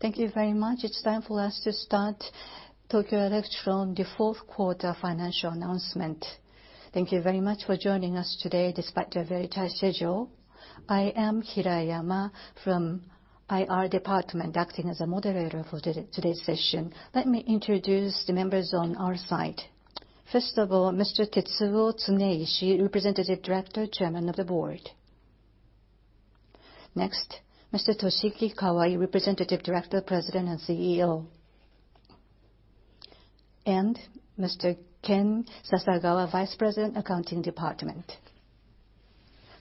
Thank you very much. It's time for us to start Tokyo Electron, the fourth quarter financial announcement. Thank you very much for joining us today despite your very tight schedule. I am Hirayama from IR department, acting as a moderator for today's session. Let me introduce the members on our side. First of all, Mr. Tetsuo Tsuneishi, Representative Director, Chairman of the Board. Next, Mr. Toshiki Kawai, Representative Director, President and CEO. Mr. Ken Sasagawa, Vice President, Accounting Department.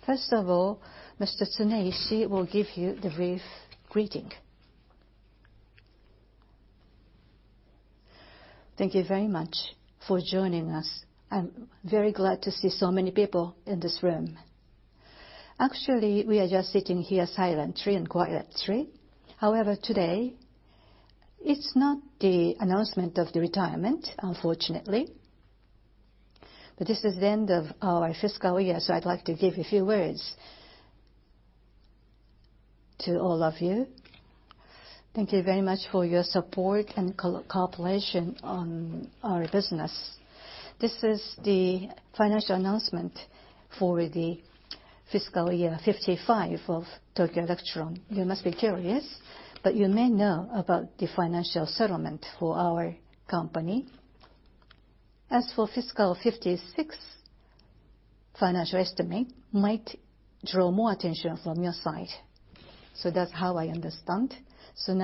First of all, Mr. Tsuneishi will give you the brief greeting. Thank you very much for joining us. I'm very glad to see so many people in this room. Actually, we are just sitting here silently and quietly. Today, it's not the announcement of the retirement, unfortunately, but this is the end of our fiscal year, so I'd like to give a few words to all of you. Thank you very much for your support and cooperation on our business. This is the financial announcement for the fiscal year 55 of Tokyo Electron. You must be curious, but you may know about the financial settlement for our company. As for fiscal 56, financial estimate might draw more attention from your side. That's how I understand. From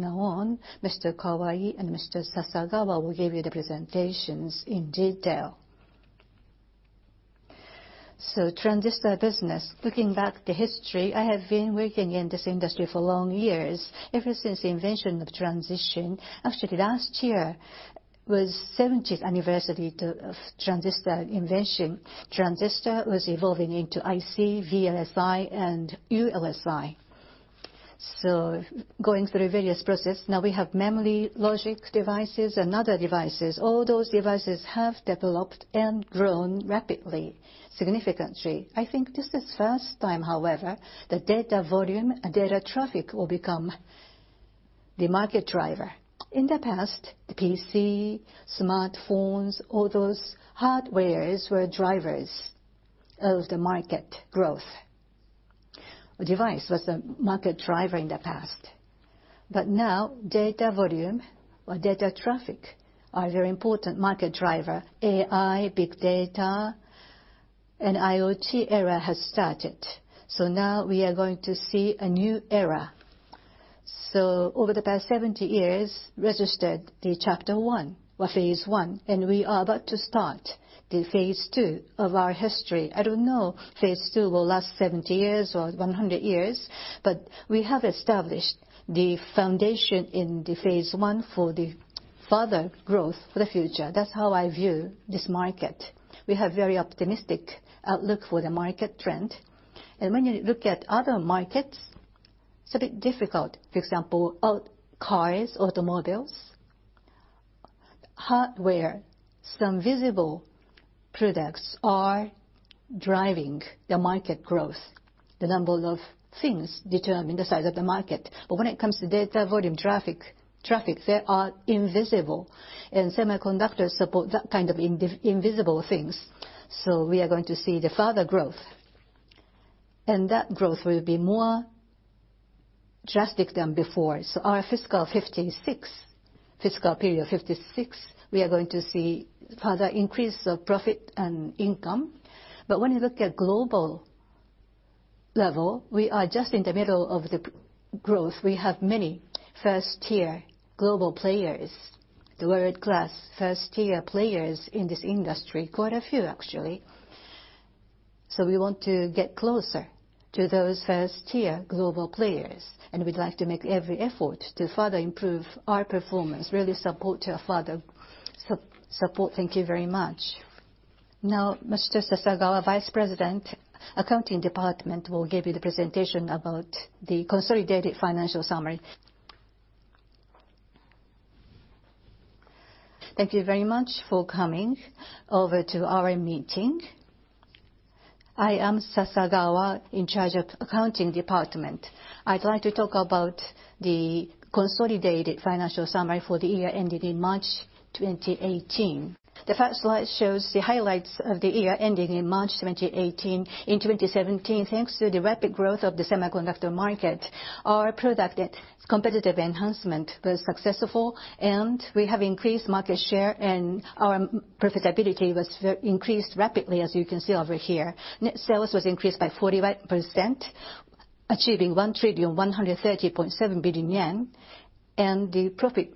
now on, Mr. Kawai and Mr. Sasagawa will give you the presentations in detail. Transistor business, looking back the history, I have been working in this industry for long years, ever since the invention of transistor. Actually, last year was 70th anniversary of transistor invention. Transistor was evolving into IC, VLSI, and ULSI. Going through various processes, now we have memory, logic devices, and other devices. All those devices have developed and grown rapidly, significantly. I think this is the first time, however, that data volume and data traffic will become the market driver. In the past, PC, smartphones, all those hardware were drivers of the market growth. A device was the market driver in the past. But now data volume or data traffic are very important market driver. AI, big data, and IoT era has started. Now we are going to see a new era. Over the past 70 years registered the chapter one or phase one, and we are about to start the phase two of our history. I don't know if phase two will last 70 years or 100 years, but we have established the foundation in the phase one for the further growth for the future. That's how I view this market. We have very optimistic outlook for the market trend. When you look at other markets, it's a bit difficult. For example, cars, automobiles, hardware, some visible products are driving the market growth. The number of things determine the size of the market. But when it comes to data volume traffic, they are invisible, and semiconductors support that kind of invisible things. We are going to see the further growth, and that growth will be more drastic than before. Our fiscal 56, fiscal period 56, we are going to see further increase of profit and income. But when you look at global level, we are just in the middle of the growth. We have many first-tier global players, the world-class first-tier players in this industry, quite a few actually. We want to get closer to those first-tier global players, and we'd like to make every effort to further improve our performance. Thank you very much. Mr. Sasagawa, Vice President, Accounting Department, will give you the presentation about the consolidated financial summary. Thank you very much for coming over to our meeting. I am Sasagawa, in charge of Accounting Department. I'd like to talk about the consolidated financial summary for the year ended in March 2018. The first slide shows the highlights of the year ending in March 2018. In 2017, thanks to the rapid growth of the semiconductor market, our product competitive enhancement was successful, and we have increased market share. Our profitability was increased rapidly, as you can see over here. Net sales was increased by 41%, achieving 1,130.7 billion yen. The profit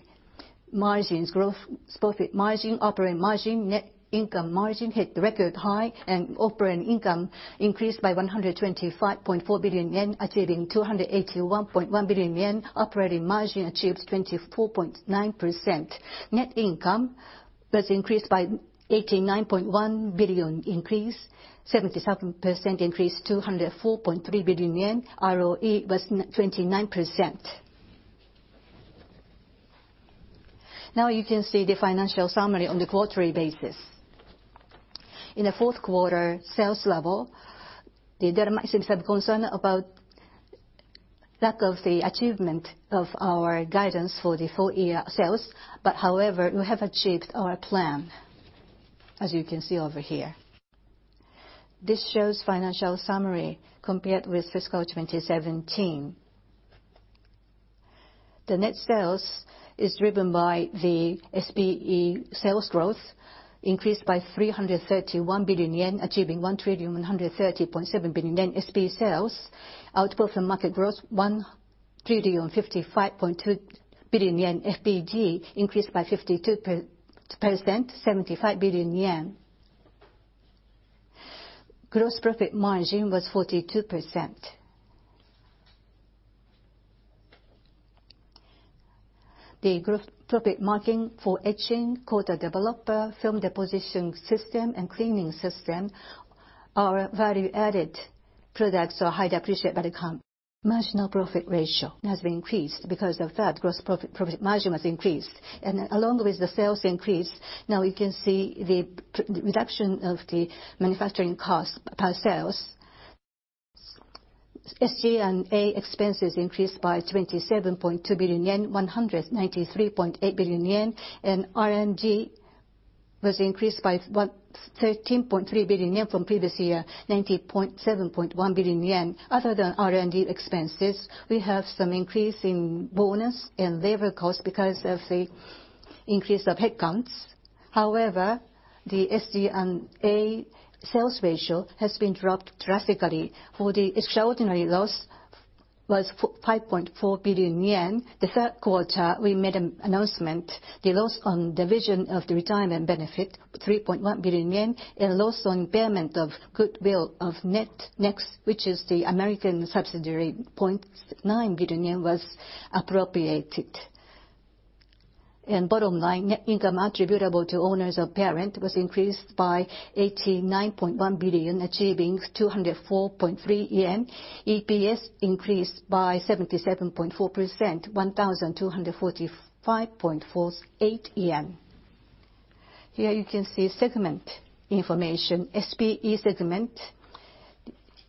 margins growth, profit margin, operating margin, net income margin hit the record high. Operating income increased by 125.4 billion yen, achieving 281.1 billion yen. Operating margin achieved 24.9%. Net income was increased by 89.1 billion, 77% increase to 204.3 billion yen. ROE was 29%. You can see the financial summary on the quarterly basis. In the fourth quarter, sales level, there might seem some concern about lack of the achievement of our guidance for the full year sales. However, we have achieved our plan, as you can see over here. This shows financial summary compared with fiscal 2017. The net sales is driven by the SPE sales growth, increased by 331 billion yen, achieving 1,130.7 billion yen SPE sales. Output from market growth, 1,055.2 billion yen. FPD increased by 52%, 75 billion yen. Gross profit margin was 42%. The gross profit margin for Etching, Coater/Developer, Film Deposition System, and Cleaning System are value-added products or high depreciate value come. Marginal profit ratio has been increased because of that gross profit margin was increased. Along with the sales increase, you can see the reduction of the manufacturing cost per sales. SG&A expenses increased by 27.2 billion yen, 193.8 billion yen. R&D was increased by 13.3 billion yen from previous year, 90.7 billion yen. Other than R&D expenses, we have some increase in bonus and labor cost because of the increase of headcounts. However, the SG&A sales ratio has been dropped drastically for the extraordinary loss was 5.4 billion yen. The third quarter, we made an announcement, the loss on division of the retirement benefit, 3.2 billion yen. Loss on payment of goodwill of Nexx, which is the American subsidiary, 0.9 billion yen was appropriated. Bottom line, net income attributable to owners of parent was increased by 89.1 billion, achieving 204.3 yen. EPS increased by 77.4%, 1,245.48 yen. You can see segment information. SPE segment,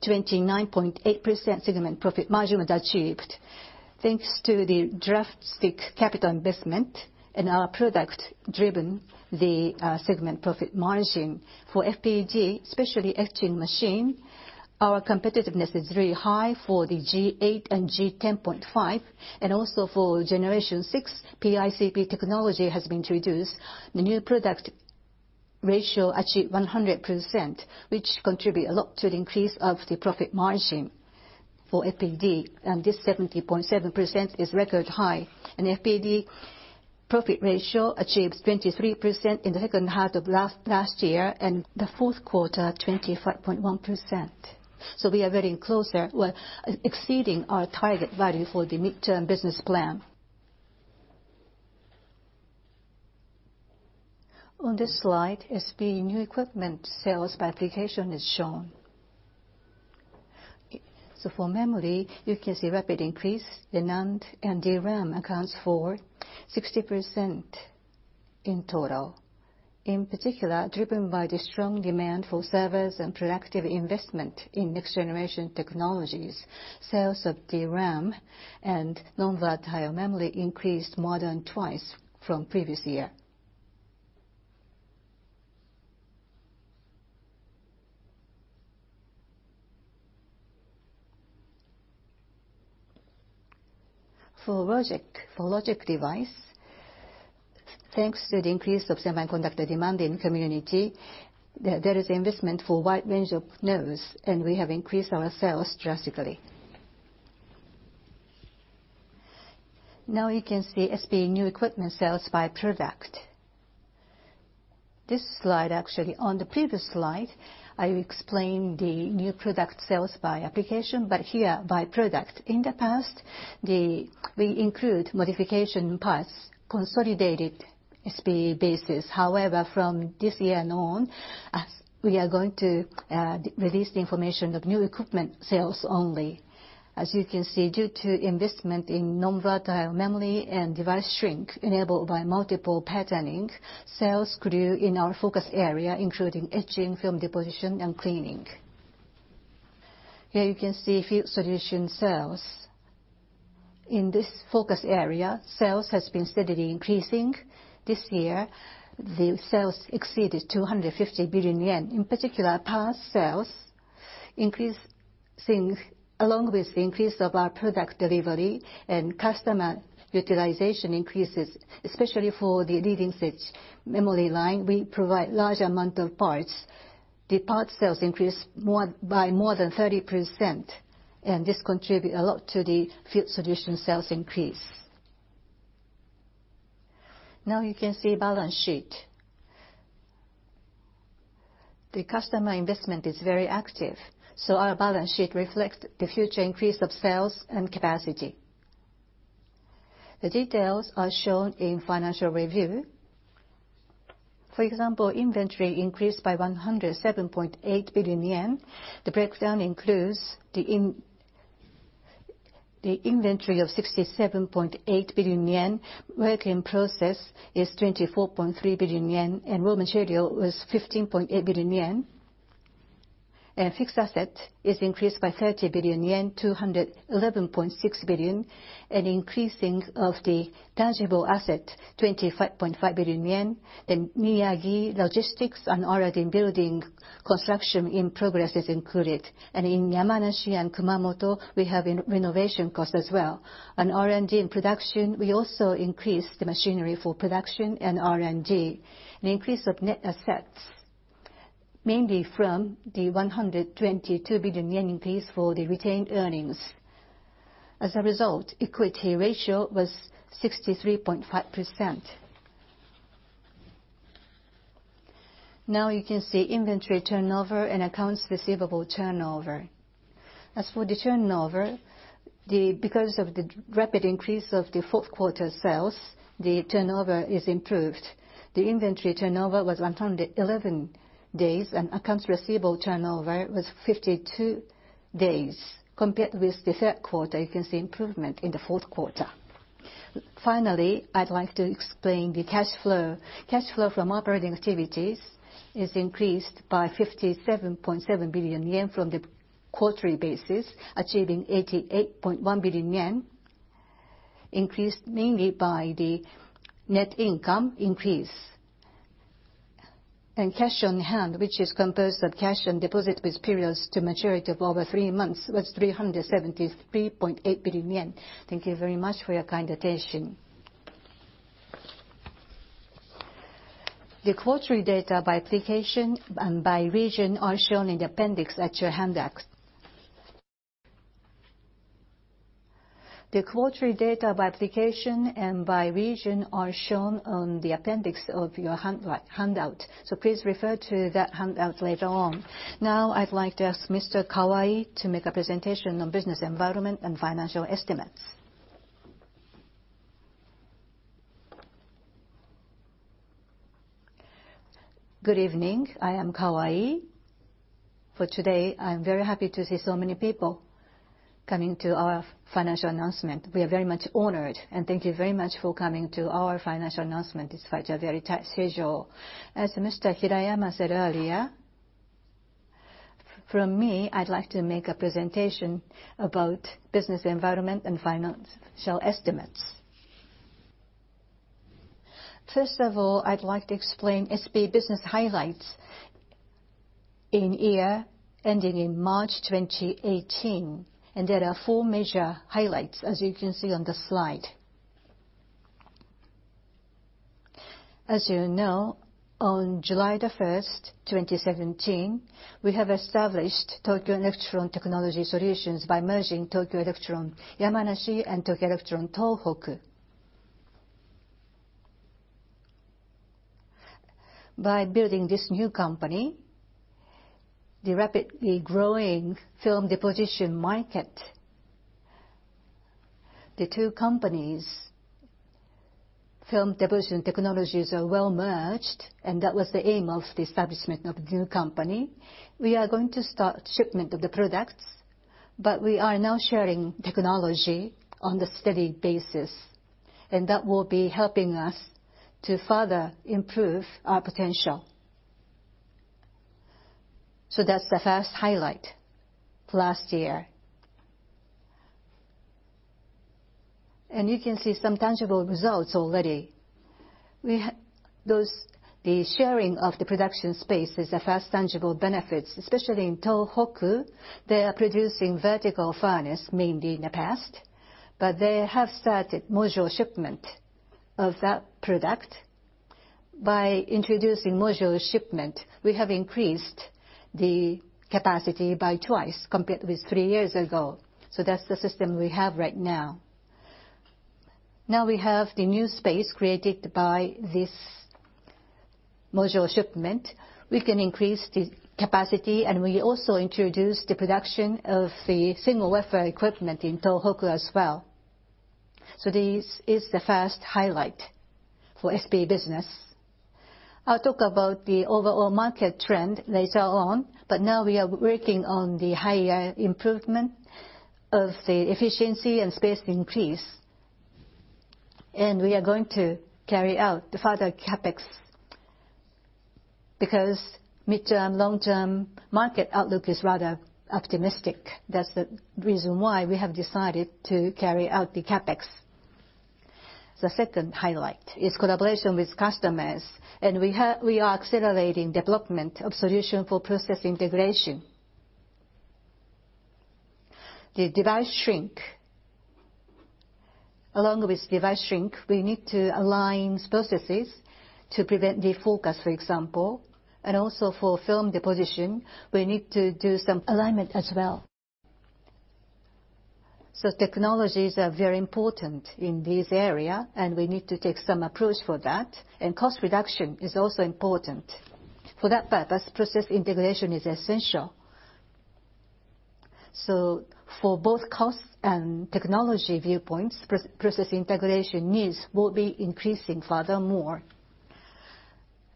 29.8% segment profit margin was achieved. Thanks to the drastic capital investment and our product driven the segment profit margin. For FPD, especially Etching machine, our competitiveness is very high for the G8 and G10.5, and also for generation 6 PICP technology has been introduced. The new product ratio achieved 100%, which contribute a lot to the increase of the profit margin for FPD, and this 70.7% is record high. FPD profit ratio achieves 23% in the second half of last year, and the fourth quarter, 25.1%. We are very close there. We're exceeding our target value for the midterm business plan. On this slide, SPE new equipment sales by application is shown. For memory, you can see rapid increase, the NAND and DRAM accounts for 60% in total. In particular, driven by the strong demand for servers and proactive investment in next-generation technologies, sales of DRAM and non-volatile memory increased more than twice from previous year. For logic device, thanks to the increase of semiconductor demand in community, there is investment for wide range of nodes, and we have increased our sales drastically. Now you can see SPE new equipment sales by product. This slide, actually, on the previous slide, I explained the new product sales by application, but here by product. In the past, we include modification parts, consolidated SPE basis. From this year and on, we are going to release the information of new equipment sales only. As you can see, due to investment in non-volatile memory and device shrink enabled by multiple patterning, sales grew in our focus area, including Etching, Film Deposition, and Cleaning. Here you can see Field Solutions sales. In this focus area, sales has been steadily increasing. This year, the sales exceeded 250 billion yen. In particular, parts sales increasing along with the increase of our product delivery and customer utilization increases, especially for the leading-edge memory line, we provide large amount of parts. The part sales increased by more than 30%, and this contribute a lot to the Field solution sales increase. Now you can see balance sheet. The customer investment is very active, our balance sheet reflects the future increase of sales and capacity. The details are shown in financial review. For example, inventory increased by 107.8 billion yen. The breakdown includes inventory of 67.8 billion yen, work in process is 24.3 billion yen, and raw material was 15.8 billion yen. Fixed asset is increased by 30 billion yen to 111.6 billion. Increasing of the tangible asset, 25.5 billion yen. Miyagi Logistics and R&D building construction in progress is included. In Yamanashi and Kumamoto, we have renovation cost as well. On R&D and production, we also increased the machinery for production and R&D. An increase of net assets, mainly from the 122 billion yen increase for the retained earnings. As a result, equity ratio was 63.5%. Now you can see inventory turnover and accounts receivable turnover. As for the turnover, because of the rapid increase of the fourth quarter sales, the turnover is improved. The inventory turnover was 111 days, and accounts receivable turnover was 52 days. Compared with the third quarter, you can see improvement in the fourth quarter. Finally, I'd like to explain the cash flow. Cash flow from operating activities is increased by 57.7 billion yen from the quarterly basis, achieving 88.1 billion yen, increased mainly by the net income increase. Cash on hand, which is composed of cash and deposits with periods to maturity of over three months, was 373.8 billion yen. Thank you very much for your kind attention. The quarterly data by application and by region are shown in the appendix at your handout. The quarterly data by application and by region are shown on the appendix of your handout. Please refer to that handout later on. Now, I'd like to ask Mr. Kawai to make a presentation on business environment and financial estimates. Good evening. I am Kawai. For today, I'm very happy to see so many people coming to our financial announcement. We are very much honored, thank you very much for coming to our financial announcement despite your very tight schedule. As Mr. Hirayama said earlier, from me, I'd like to make a presentation about business environment and financial estimates. First of all, I'd like to explain SPE business highlights in year ending in March 2018. There are four major highlights, as you can see on the slide. As you know, on July 1st, 2017, we have established Tokyo Electron Technology Solutions by merging Tokyo Electron Yamanashi and Tokyo Electron Tohoku. By building this new company, the rapidly growing film deposition market, the two companies' film deposition technologies are well merged, and that was the aim of the establishment of the new company. We are going to start shipment of the products, but we are now sharing technology on the steady basis. That will be helping us to further improve our potential. That's the first highlight last year. You can see some tangible results already. The sharing of the production space is the first tangible benefits, especially in Tohoku. They are producing Vertical Furnace mainly in the past, but they have started module shipment of that product. By introducing module shipment, we have increased the capacity by twice compared with three years ago. That's the system we have right now. Now we have the new space created by this module shipment. We can increase the capacity, and we also introduce the production of the Single Wafer Equipment in Tohoku as well. This is the first highlight for SPE business. I'll talk about the overall market trend later on, but now we are working on the high improvement of the efficiency and space increase. We are going to carry out the further CapEx, because mid-term, long-term market outlook is rather optimistic. That's the reason why we have decided to carry out the CapEx. The second highlight is collaboration with customers. We are accelerating development of solution for process integration. The device shrink. Along with device shrink, we need to align processes to prevent defocus, for example, and also for film deposition, we need to do some alignment as well. Technologies are very important in this area. We need to take some approach for that. Cost reduction is also important. For that purpose, process integration is essential. For both cost and technology viewpoints, process integration needs will be increasing furthermore.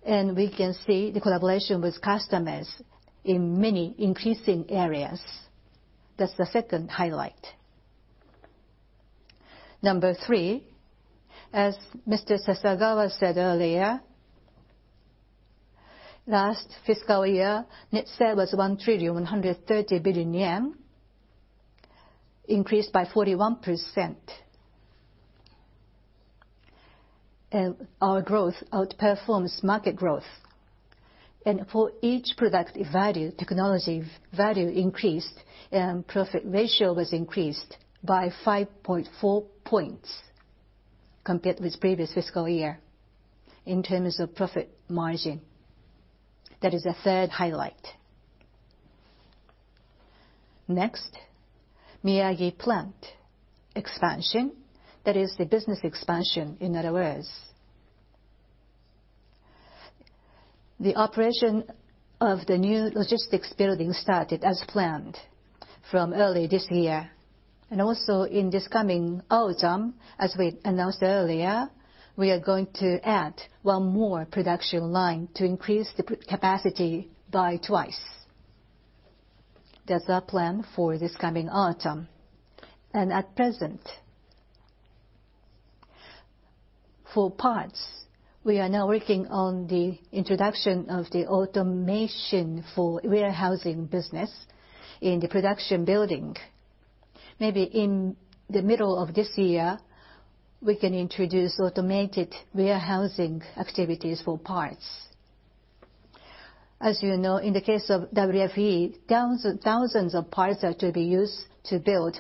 We can see the collaboration with customers in many increasing areas. That's the second highlight. Number 3, as Mr. Sasagawa said earlier, last fiscal year, net sale was 1,130 billion yen, increased by 41%. Our growth outperforms market growth. For each product value, technology value increased, and profit ratio was increased by 5.4 points compared with previous fiscal year in terms of profit margin. That is a third highlight. Next, Miyagi plant expansion. That is the business expansion, in other words. The operation of the new logistics building started as planned from early this year. Also in this coming autumn, as we announced earlier, we are going to add one more production line to increase the capacity by twice. That's our plan for this coming autumn. At present, for parts, we are now working on the introduction of the automation for warehousing business in the production building. Maybe in the middle of this year, we can introduce automated warehousing activities for parts. As you know, in the case of WFE, thousands of parts are to be used to build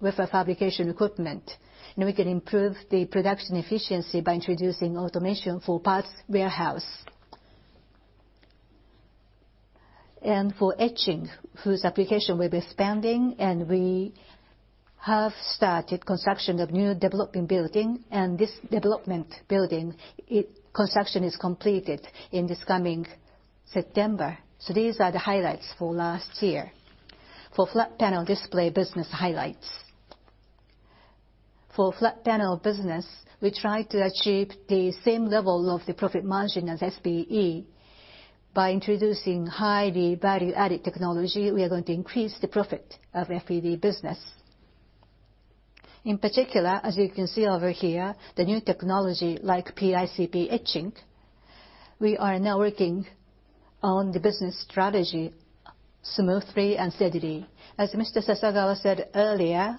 wafer fabrication equipment, we can improve the production efficiency by introducing automation for parts warehouse. For Etching, whose application we're expanding, we have started construction of new developing building. This development building, construction is completed in this coming September. These are the highlights for last year. For flat panel display business highlights. For flat panel business, we try to achieve the same level of the profit margin as FPD. By introducing highly value-added technology, we are going to increase the profit of FPD business. In particular, as you can see over here, the new technology like PICP Etching, we are now working on the business strategy smoothly and steadily. As Mr. Sasagawa said earlier,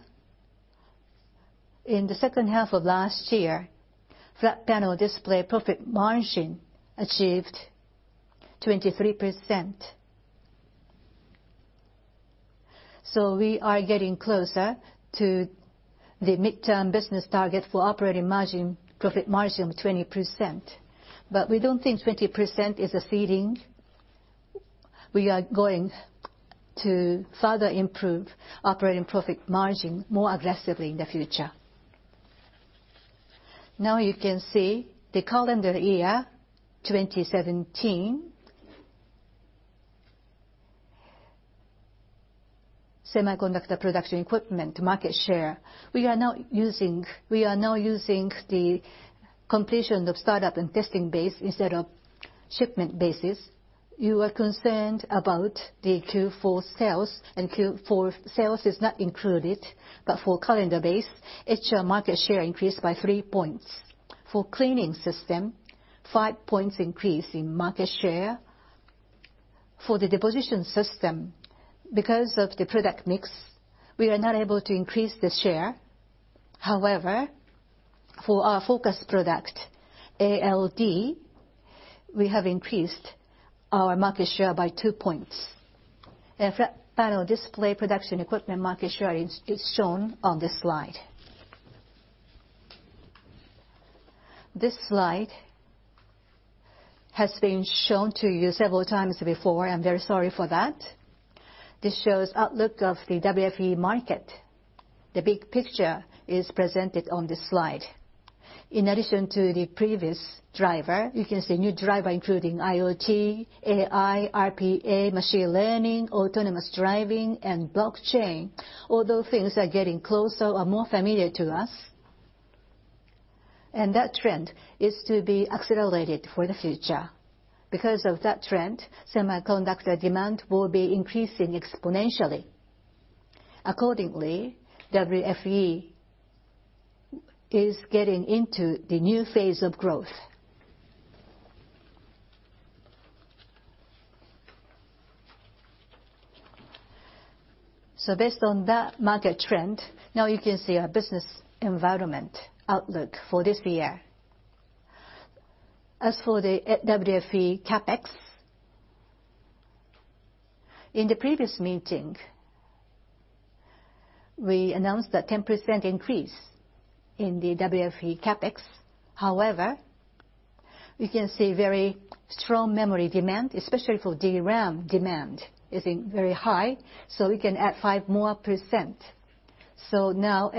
in the second half of last year, flat panel display profit margin achieved 23%. We are getting closer to the midterm business target for operating margin, profit margin of 20%. We don't think 20% is a ceiling. We are going to further improve operating profit margin more aggressively in the future. You can see the calendar year 2017. Semiconductor production equipment market share. We are now using the completion of startup and testing base instead of shipment bases. You are concerned about the Q4 sales, Q4 sales is not included, for calendar base, etcher market share increased by three points. For Cleaning System, five points increase in market share. For the Deposition System, because of the product mix, we are not able to increase the share. However, for our focus product, ALD, we have increased our market share by two points. Flat panel display production equipment market share is shown on this slide. This slide has been shown to you several times before. I'm very sorry for that. This shows outlook of the WFE market. The big picture is presented on this slide. In addition to the previous driver, you can see new driver, including IoT, AI, RPA, machine learning, autonomous driving, and blockchain. All those things are getting closer or more familiar to us. That trend is to be accelerated for the future. Because of that trend, semiconductor demand will be increasing exponentially. Accordingly, WFE is getting into the new phase of growth. Based on that market trend, now you can see our business environment outlook for this year. As for the WFE CapEx, in the previous meeting, we announced a 10% increase in the WFE CapEx. However, we can see very strong memory demand, especially for DRAM demand is very high, we can add 5 more %. Now,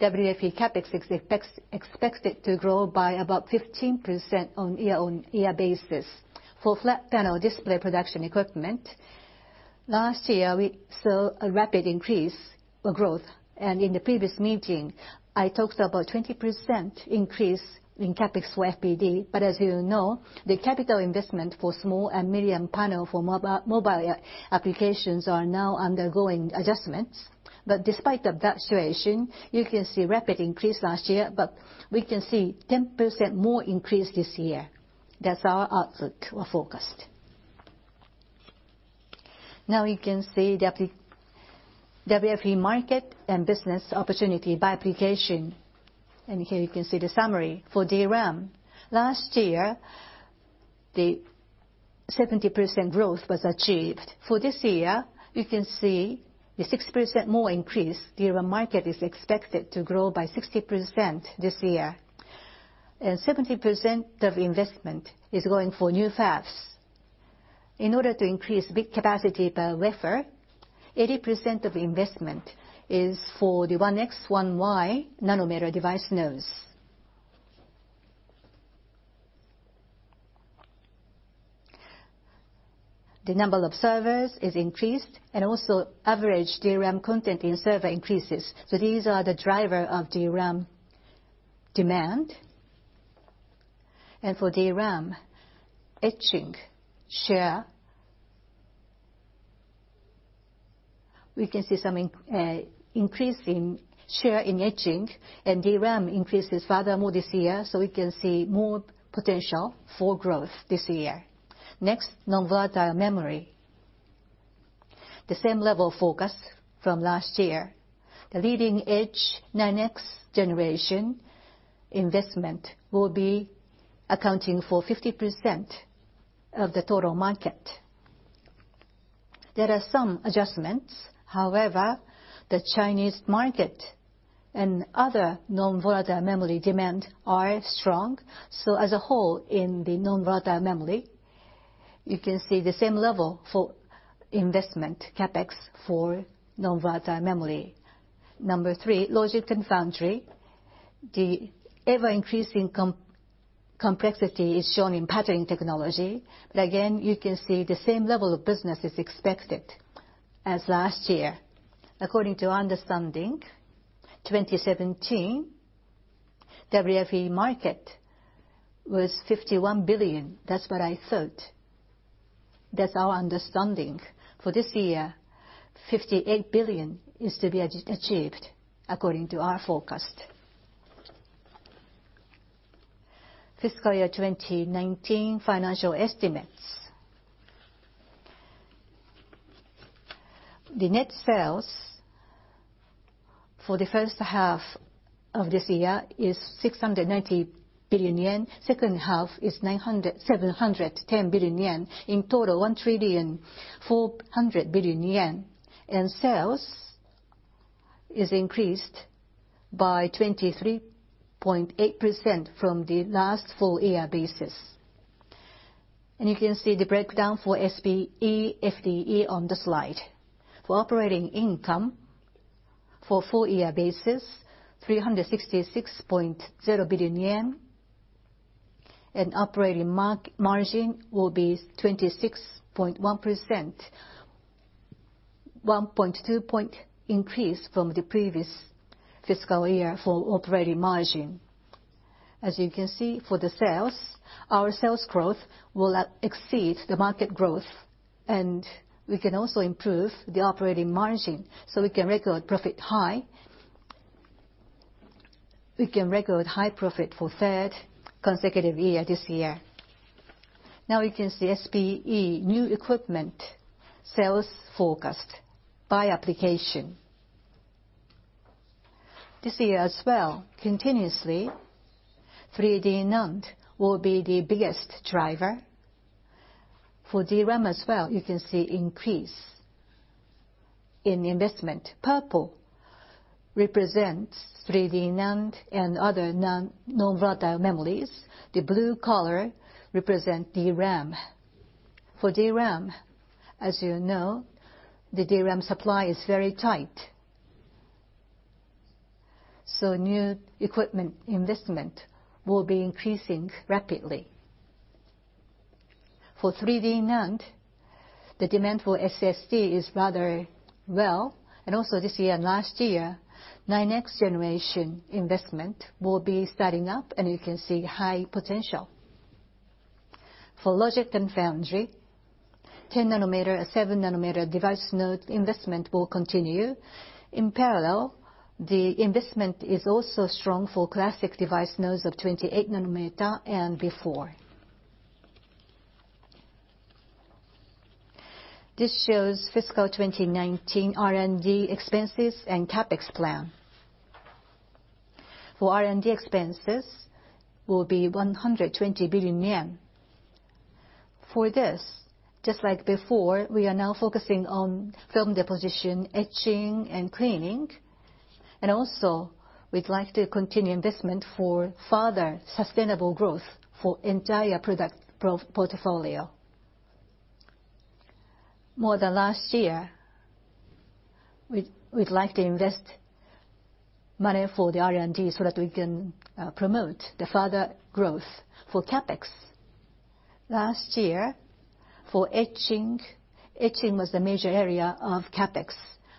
WFE CapEx is expected to grow by about 15% on year-on-year basis. For flat panel display production equipment Last year, we saw a rapid increase of growth, in the previous meeting, I talked about 20% increase in CapEx for FPD. As you know, the capital investment for small and medium panel for mobile applications are now undergoing adjustments. Despite of that situation, you can see rapid increase last year, we can see 10% more increase this year. That's our outlook or forecast. Now you can see WFE market and business opportunity by application. Here you can see the summary. For DRAM, last year, the 70% growth was achieved. For this year, you can see the 6% more increase. DRAM market is expected to grow by 60% this year, 70% of investment is going for new fabs. In order to increase bit capacity per wafer, 80% of investment is for the 1x/1y nanometer device nodes. The number of servers is increased, and also average DRAM content in server increases. These are the driver of DRAM demand. For DRAM etching share, we can see some increase in share in etching, and DRAM increases furthermore this year, so we can see more potential for growth this year. Non-volatile memory. The same level forecast from last year. The leading edge next generation investment will be accounting for 50% of the total market. There are some adjustments, however, the Chinese market and other non-volatile memory demand are strong. As a whole, in the non-volatile memory, you can see the same level for investment CapEx for non-volatile memory. Number three, logic and foundry. The ever-increasing complexity is shown in patterning technology. Again, you can see the same level of business is expected as last year. According to understanding, 2017, WFE market was $51 billion. That's what I thought. That's our understanding. For this year, $58 billion is to be achieved, according to our forecast. Fiscal year 2019 financial estimates. The net sales for the first half of this year is 690 billion yen. Second half is 710 billion yen. In total, 1,400 billion yen. Sales is increased by 23.8% from the last full year basis. You can see the breakdown for SPE, FPD on the slide. For operating income, for full year basis, JPY 366.0 billion and operating margin will be 26.1%, 1.2 point increase from the previous fiscal year for operating margin. As you can see for the sales, our sales growth will exceed the market growth, we can also improve the operating margin, we can record profit high. We can record high profit for third consecutive year this year. You can see SPE new equipment sales forecast by application. This year as well, continuously 3D NAND will be the biggest driver. For DRAM as well, you can see increase in investment. Purple represents 3D NAND and other NAND non-volatile memories. The blue color represent DRAM. For DRAM, as you know, the DRAM supply is very tight, so new equipment investment will be increasing rapidly. For 3D NAND, the demand for SSD is rather well, and also this year and last year, next generation investment will be starting up, and you can see high potential. For logic and foundry, 10 nanometer and 7 nanometer device node investment will continue. In parallel, the investment is also strong for classic device nodes of 28 nanometer and before. This shows fiscal 2019 R&D expenses and CapEx plan. R&D expenses will be 120 billion yen. For this, just like before, we are now focusing on film deposition, etching, and cleaning, we'd like to continue investment for further sustainable growth for entire product portfolio. More than last year, we'd like to invest money for the R&D so that we can promote the further growth for CapEx. Last year, for etching was the major area of CapEx.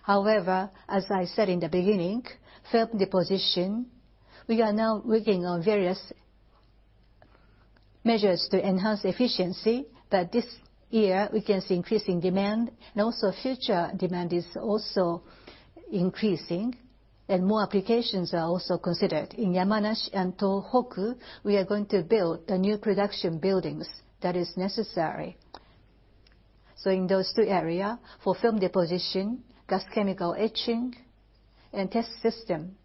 As I said in the beginning, film deposition, we are now working on various measures to enhance efficiency. This year we can see increasing demand, future demand is also increasing, more applications are also considered. In Yamanashi and Tohoku, we are going to build the new production buildings that is necessary. In those two area, for Film Deposition, Gas chemical etching, and Test system,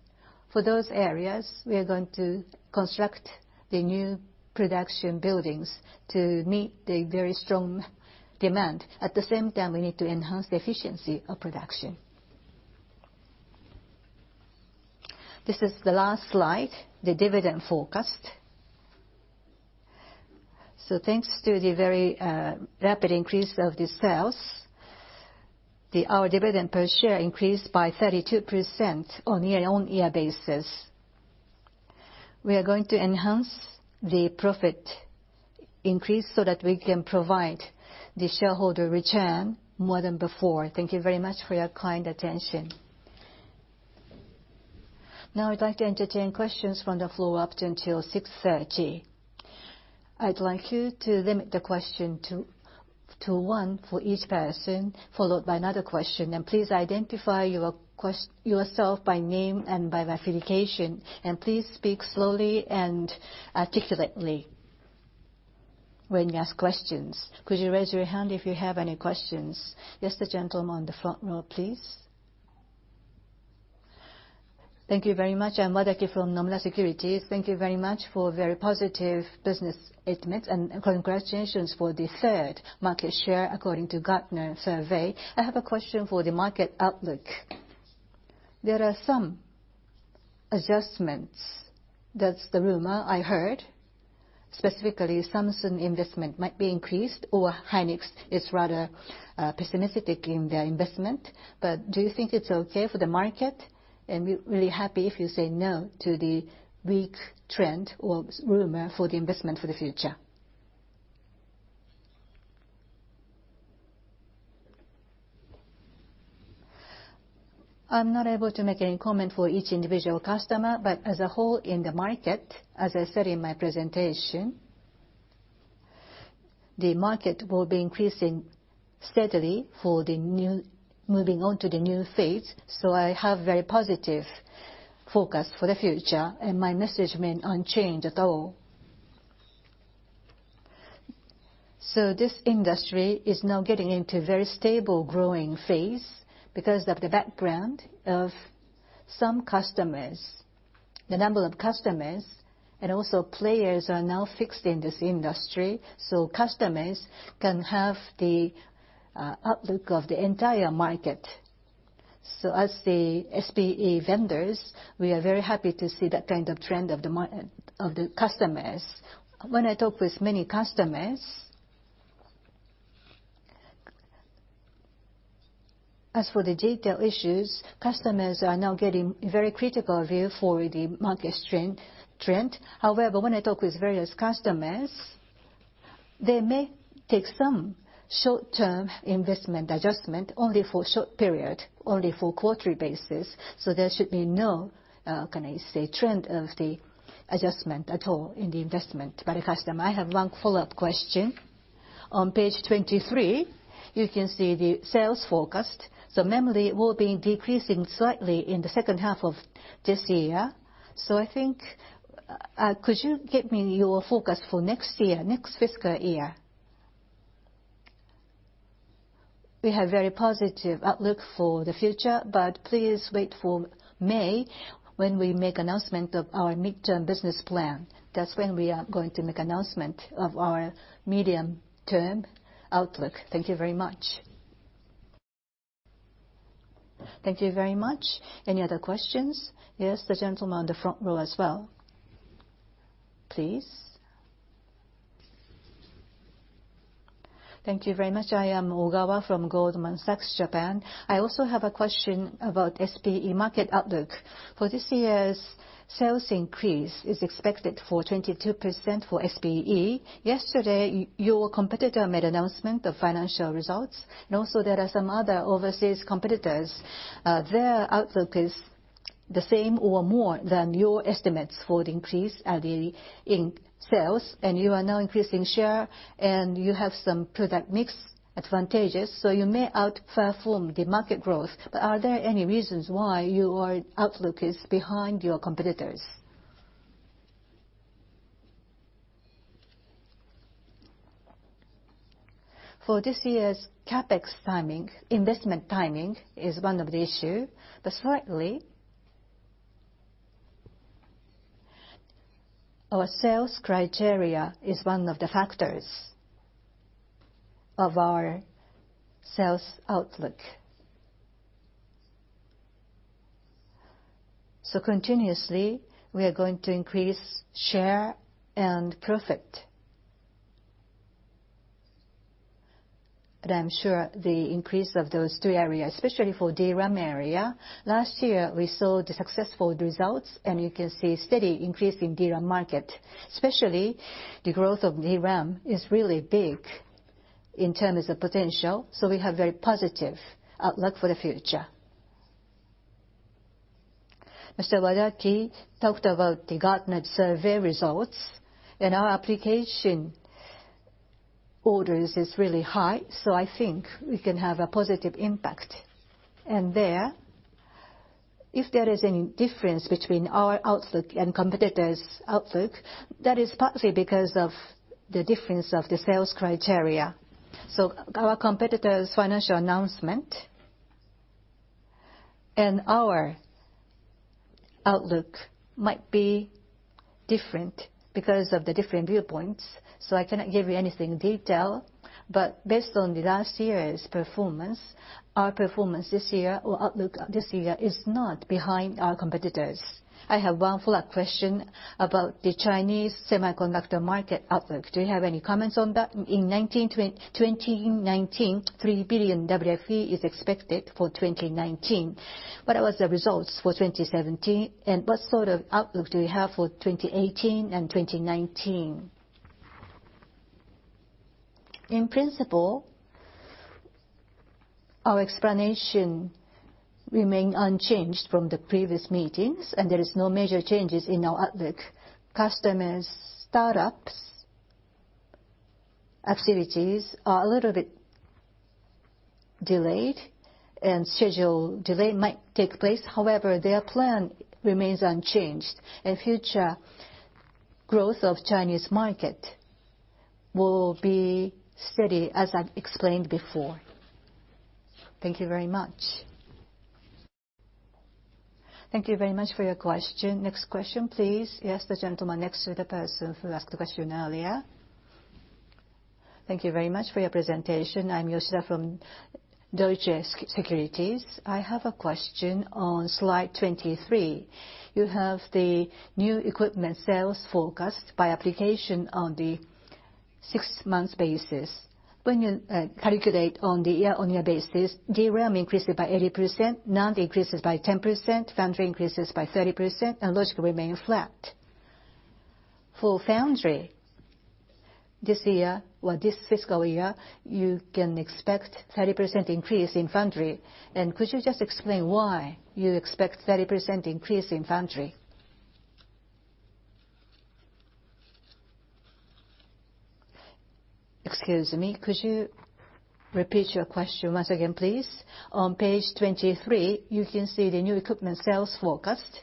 for those areas, we are going to construct the new production buildings to meet the very strong demand. At the same time, we need to enhance the efficiency of production. This is the last slide, the dividend forecast. Thanks to the very rapid increase of the sales, our dividend per share increased by 32% on year-on-year basis. We are going to enhance the profit increase so that we can provide the shareholder return more than before. Thank you very much for your kind attention. Now I'd like to entertain questions from the floor up until 6:30 P.M. I'd like you to limit the question to one for each person, followed by another question, and please identify yourself by name and by affiliation. Please speak slowly and articulately when you ask questions. Could you raise your hand if you have any questions? Yes, the gentleman on the front row, please. Thank you very much. I'm Wadaki from Nomura Securities. Thank you very much for a very positive business admit, and congratulations for the third market share according to Gartner survey. I have a question for the market outlook. There are some adjustments, that's the rumor I heard. Specifically, Samsung investment might be increased, or Hynix is rather pessimistic in their investment. Do you think it's okay for the market? Be really happy if you say no to the weak trend or rumor for the investment for the future. I'm not able to make any comment for each individual customer, as a whole in the market, as I said in my presentation, the market will be increasing steadily for the new moving on to the new phase. I have very positive forecast for the future and my message remain unchanged at all. This industry is now getting into very stable growing phase because of the background of some customers. The number of customers and also players are now fixed in this industry, so customers can have the outlook of the entire market. As the SPE vendors, we are very happy to see that kind of trend of the customers. When I talk with many customers, As for the detail issues, customers are now getting very critical view for the market trend. However, when I talk with various customers, they may take some short-term investment adjustment only for short period, only for quarterly basis. There should be no, can I say, trend of the adjustment at all in the investment by the customer. I have one follow-up question. On page 23, you can see the sales forecast. Memory will be decreasing slightly in the second half of this year. I think, could you give me your forecast for next year, next fiscal year? We have very positive outlook for the future, please wait for May when we make announcement of our midterm business plan. That's when we are going to make announcement of our medium-term outlook. Thank you very much. Thank you very much. Any other questions? Yes, the gentleman on the front row as well, please. Thank you very much. I am Ogawa from Goldman Sachs Japan. I also have a question about SPE market outlook. For this year's sales increase is expected for 22% for SPE. Yesterday, your competitor made announcement of financial results, and also there are some other overseas competitors. Their outlook is the same or more than your estimates for the increase in sales, and you are now increasing share, and you have some product mix advantages, so you may outperform the market growth. Are there any reasons why your outlook is behind your competitors? For this year's CapEx timing, investment timing is one of the issue, but slightly our sales criteria is one of the factors of our sales outlook. Continuously, we are going to increase share and profit. I'm sure the increase of those three areas, especially for DRAM area, last year, we saw the successful results, and you can see steady increase in DRAM market. Especially, the growth of DRAM is really big in terms of potential, so we have very positive outlook for the future. Mr. Wadaki talked about the Gartner survey results, and our application orders is really high, so I think we can have a positive impact. There, if there is any difference between our outlook and competitor's outlook, that is partly because of the difference of the sales criteria. Our competitor's financial announcement and our outlook might be different because of the different viewpoints, so I cannot give you anything in detail. Based on the last year's performance, our performance this year or outlook this year is not behind our competitors. I have one follow-up question about the Chinese semiconductor market outlook. Do you have any comments on that? In 2019, 3 billion WFE is expected for 2019. What was the results for 2017, and what sort of outlook do you have for 2018 and 2019? In principle, our explanation remain unchanged from the previous meetings, and there is no major changes in our outlook. Customers' startups activities are a little bit delayed, and schedule delay might take place. However, their plan remains unchanged, and future growth of Chinese market will be steady, as I've explained before. Thank you very much. Thank you very much for your question. Next question, please. Yes, the gentleman next to the person who asked the question earlier. Thank you very much for your presentation. I'm Yoshida from Deutsche Securities. I have a question on slide 23. You have the new equipment sales forecast by application on the six-month basis. When you calculate on the year-on-year basis, DRAM increases by 80%, NAND increases by 10%, foundry increases by 30%, and logic remains flat. For foundry this year or this fiscal year, you can expect 30% increase in foundry. Could you just explain why you expect 30% increase in foundry? Excuse me, could you repeat your question once again, please? On page 23, you can see the new equipment sales forecast.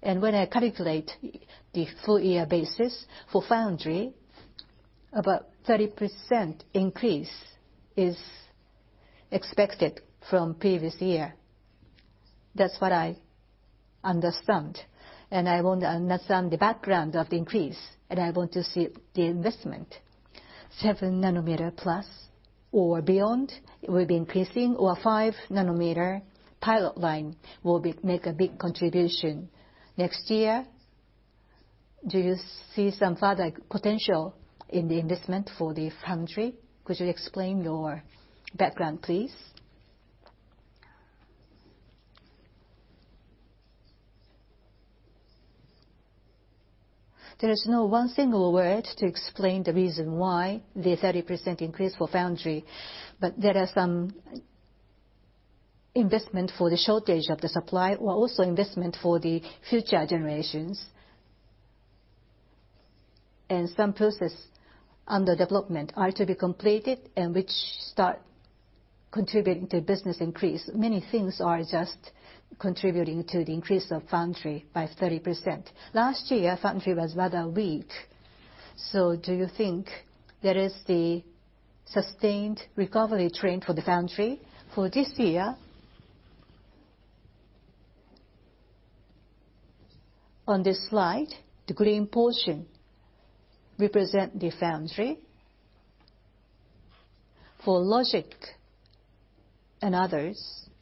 When I calculate the full year basis for foundry, about 30% increase is expected from previous year. That's what I understand. I want to understand the background of the increase, and I want to see the investment. 7 nanometer plus or beyond will be increasing, or 5 nanometer pilot line will make a big contribution. Next year, do you see some further potential in the investment for the foundry? Could you explain your background, please? There is no one single word to explain the reason why the 30% increase for foundry, but there are some investment for the shortage of the supply, while also investment for the future generations. Some process under development are to be completed and which start contributing to business increase. Many things are just contributing to the increase of foundry by 30%. Last year, foundry was rather weak. Do you think there is the sustained recovery trend for the foundry for this year? On this slide, the green portion represent the foundry. For logic and others,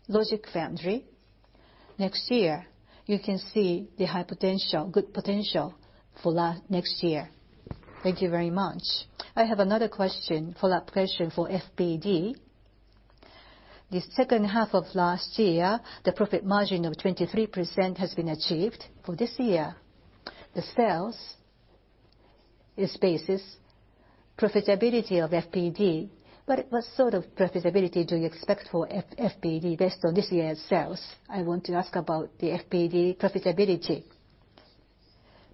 logic foundry, next year, you can see the high potential, good potential for next year. Thank you very much. I have another question, follow-up question for FPD. The second half of last year, the profit margin of 23% has been achieved. For this year, the sales is basis profitability of FPD, but what sort of profitability do you expect for FPD based on this year's sales? I want to ask about the FPD profitability.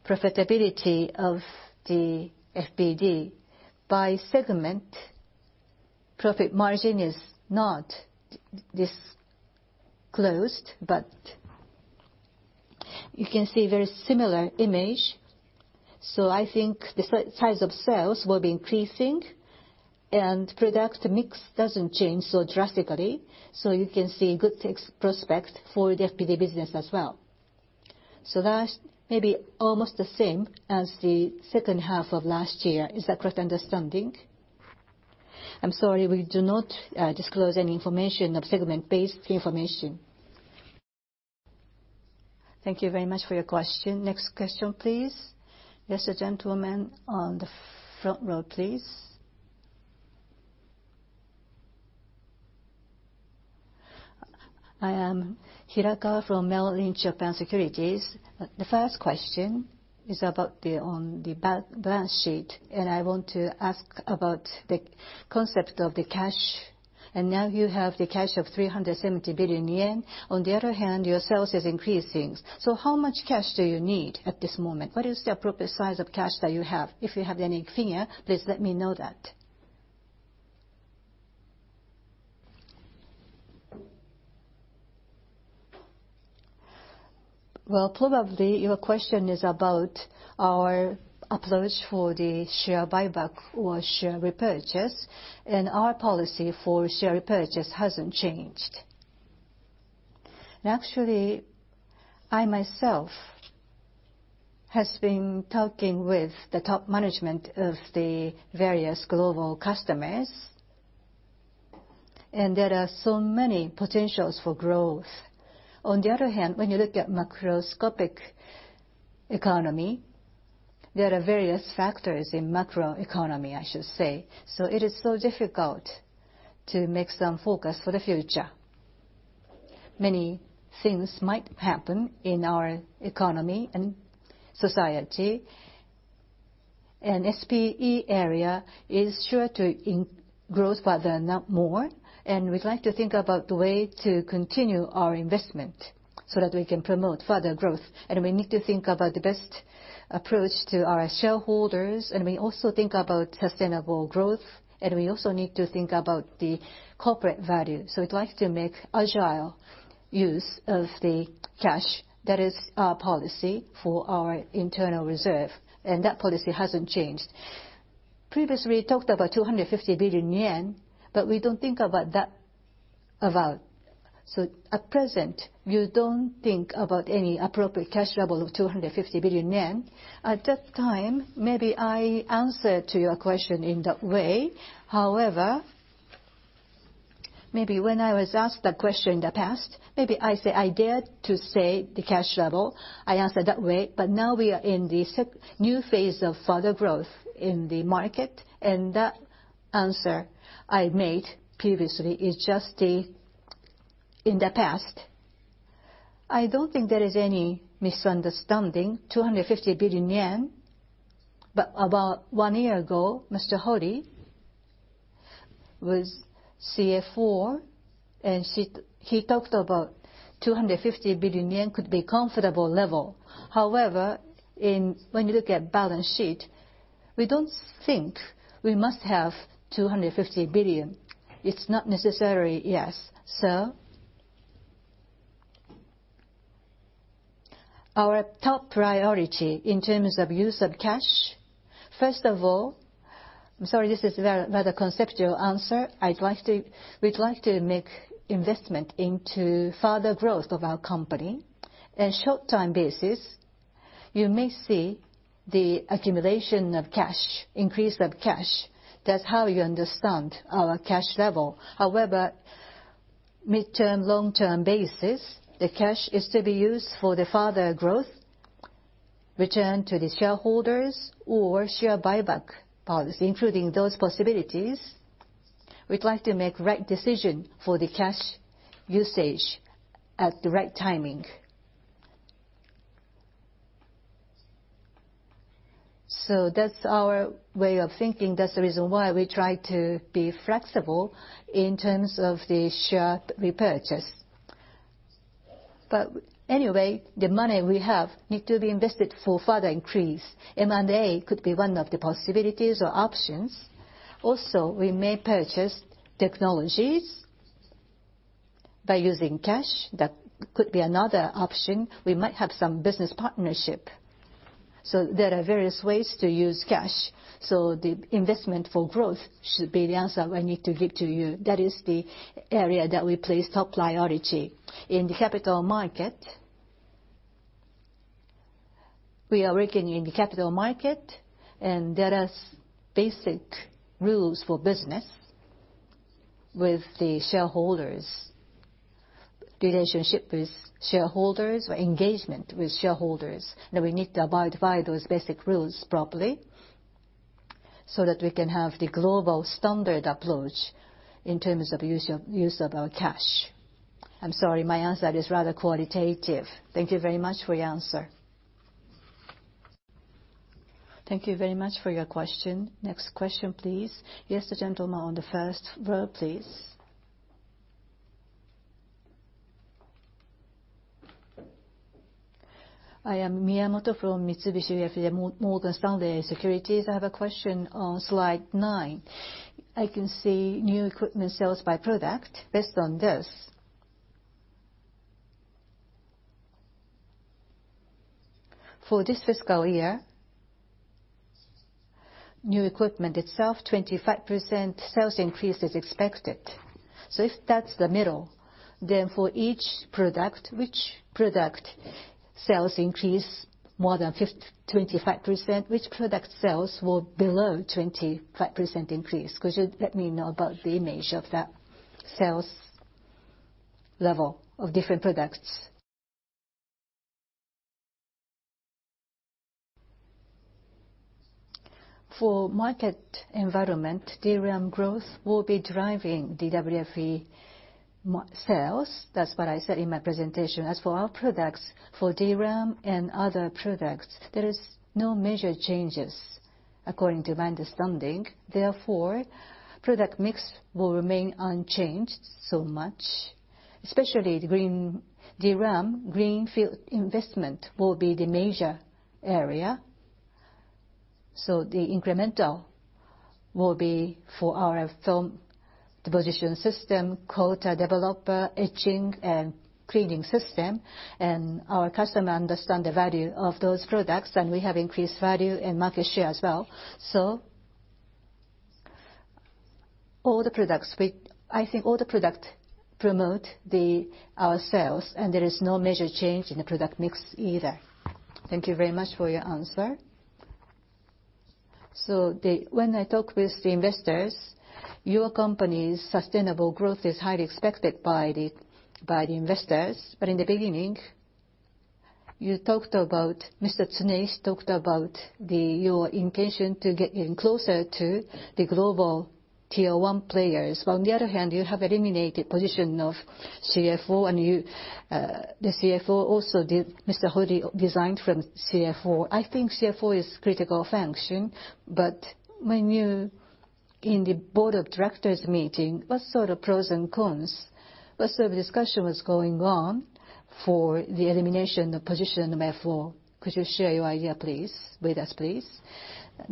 Profitability of the FPD by segment, profit margin is not disclosed, you can see very similar image. I think the size of sales will be increasing and product mix doesn't change so drastically, you can see good prospects for the FPD business as well. That's maybe almost the same as the second half of last year. Is that correct understanding? I'm sorry, we do not disclose any information of segment-based information. Thank you very much for your question. Next question, please. Yes, the gentleman on the front row, please. I am Hirakawa from Merrill Lynch Japan Securities. The first question is about on the balance sheet, I want to ask about the concept of the cash. Now you have the cash of 370 billion yen. On the other hand, your sales is increasing. How much cash do you need at this moment? What is the appropriate size of cash that you have? If you have any figure, please let me know that. Well, probably your question is about our approach for the share buyback or share repurchase, our policy for share repurchase hasn't changed. Actually, I myself have been talking with the top management of the various global customers, there are so many potentials for growth. On the other hand, when you look at macroscopic economy, there are various factors in macro economy, I should say. It is so difficult to make some forecast for the future. Many things might happen in our economy and society, SPE area is sure to grow further and more, we'd like to think about the way to continue our investment so that we can promote further growth. We need to think about the best approach to our shareholders, we also think about sustainable growth, we also need to think about the corporate value. We'd like to make agile use of the cash. That is our policy for our internal reserve, that policy hasn't changed. Previously, we talked about 250 billion yen, we don't think about that. At present, you don't think about any appropriate cash level of 250 billion yen. At that time, maybe I answered to your question in that way. However, maybe when I was asked that question in the past, maybe I dared to say the cash level. I answered that way. But now we are in the new phase of further growth in the market, and the answer I made previously is just in the past. I don't think there is any misunderstanding, 250 billion yen. About one year ago, Mr. Hori was CFO, and he talked about 250 billion yen could be comfortable level. However, when you look at balance sheet, we don't think we must have 250 billion. It's not necessary, yes. Our top priority in terms of use of cash, first of all, I'm sorry, this is rather conceptual answer. We'd like to make investment into further growth of our company. In short-time basis, you may see the accumulation of cash, increase of cash. That's how you understand our cash level. However, mid-term, long-term basis, the cash is to be used for the further growth, return to the shareholders, or share buyback policy, including those possibilities. We'd like to make right decision for the cash usage at the right timing. That's our way of thinking. That's the reason why we try to be flexible in terms of the share repurchase. Anyway, the money we have needs to be invested for further increase. M&A could be one of the possibilities or options. Also, we may purchase technologies by using cash. That could be another option. We might have some business partnership. There are various ways to use cash. The investment for growth should be the answer I need to give to you. That is the area that we place top priority. In the capital market, we are working in the capital market, and there are basic rules for business with the shareholders, relationship with shareholders, or engagement with shareholders, that we need to abide by those basic rules properly so that we can have the global standard approach in terms of use of our cash. I'm sorry, my answer is rather qualitative. Thank you very much for your answer. Thank you very much for your question. Next question, please. Yes, the gentleman on the first row, please. I am Miyamoto from Mitsubishi UFJ Morgan Stanley Securities. I have a question on slide nine. I can see new equipment sales by product based on this. For this fiscal year, new equipment itself, 25% sales increase is expected. If that's the middle, then for each product, which product sales increase more than 25%, which product sales were below 25% increase? Could you let me know about the image of that sales level of different products? For market environment, DRAM growth will be driving the WFE sales. That's what I said in my presentation. As for our products, for DRAM and other products, there is no major changes according to my understanding. Therefore, product mix will remain unchanged so much, especially the DRAM greenfield investment will be the major area. The incremental will be for our Film Deposition System, Coater/Developer, Etching and Cleaning System, and our customer understand the value of those products, and we have increased value and market share as well. I think all the product promote our sales, and there is no major change in the product mix either. Thank you very much for your answer. When I talk with the investors, your company's sustainable growth is highly expected by the investors. In the beginning, Mr. Tsuneishi talked about your intention to getting closer to the global tier 1 players. On the other hand, you have eliminated position of CFO, and the CFO also, Mr. Hori resigned from CFO. I think CFO is critical function, but when you, in the board of directors meeting, what sort of pros and cons, what sort of discussion was going on for the elimination of position of CFO? Could you share your idea with us, please?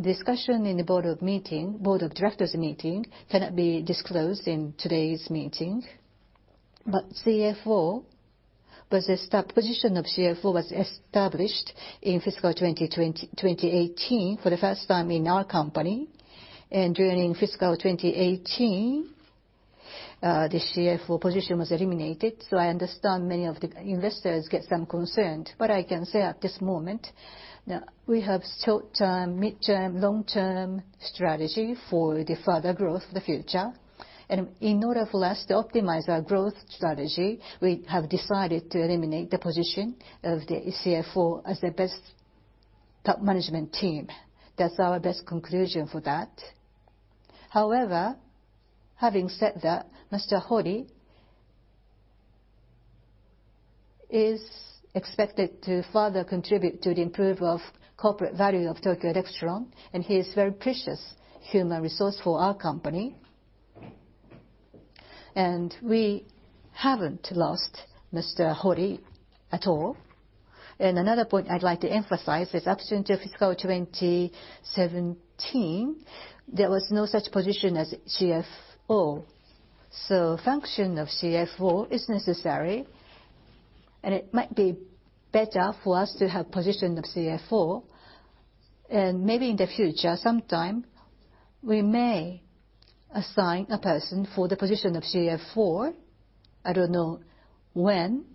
Discussion in the board of directors meeting cannot be disclosed in today's meeting. The position of CFO was established in fiscal 2018 for the first time in our company. During fiscal 2018, the CFO position was eliminated, so I understand many of the investors get some concerned. I can say at this moment, we have short-term, midterm, long-term strategy for the further growth of the future. In order for us to optimize our growth strategy, we have decided to eliminate the position of the CFO as the best top management team. That's our best conclusion for that. Having said that, Mr. Hori is expected to further contribute to the improve of corporate value of Tokyo Electron, he is very precious human resource for our company. We haven't lost Mr. Hori at all. Another point I'd like to emphasize is up until fiscal 2017, there was no such position as CFO. Function of CFO is necessary, and it might be better for us to have position of CFO. Maybe in the future, sometime, we may assign a person for the position of CFO. I don't know when.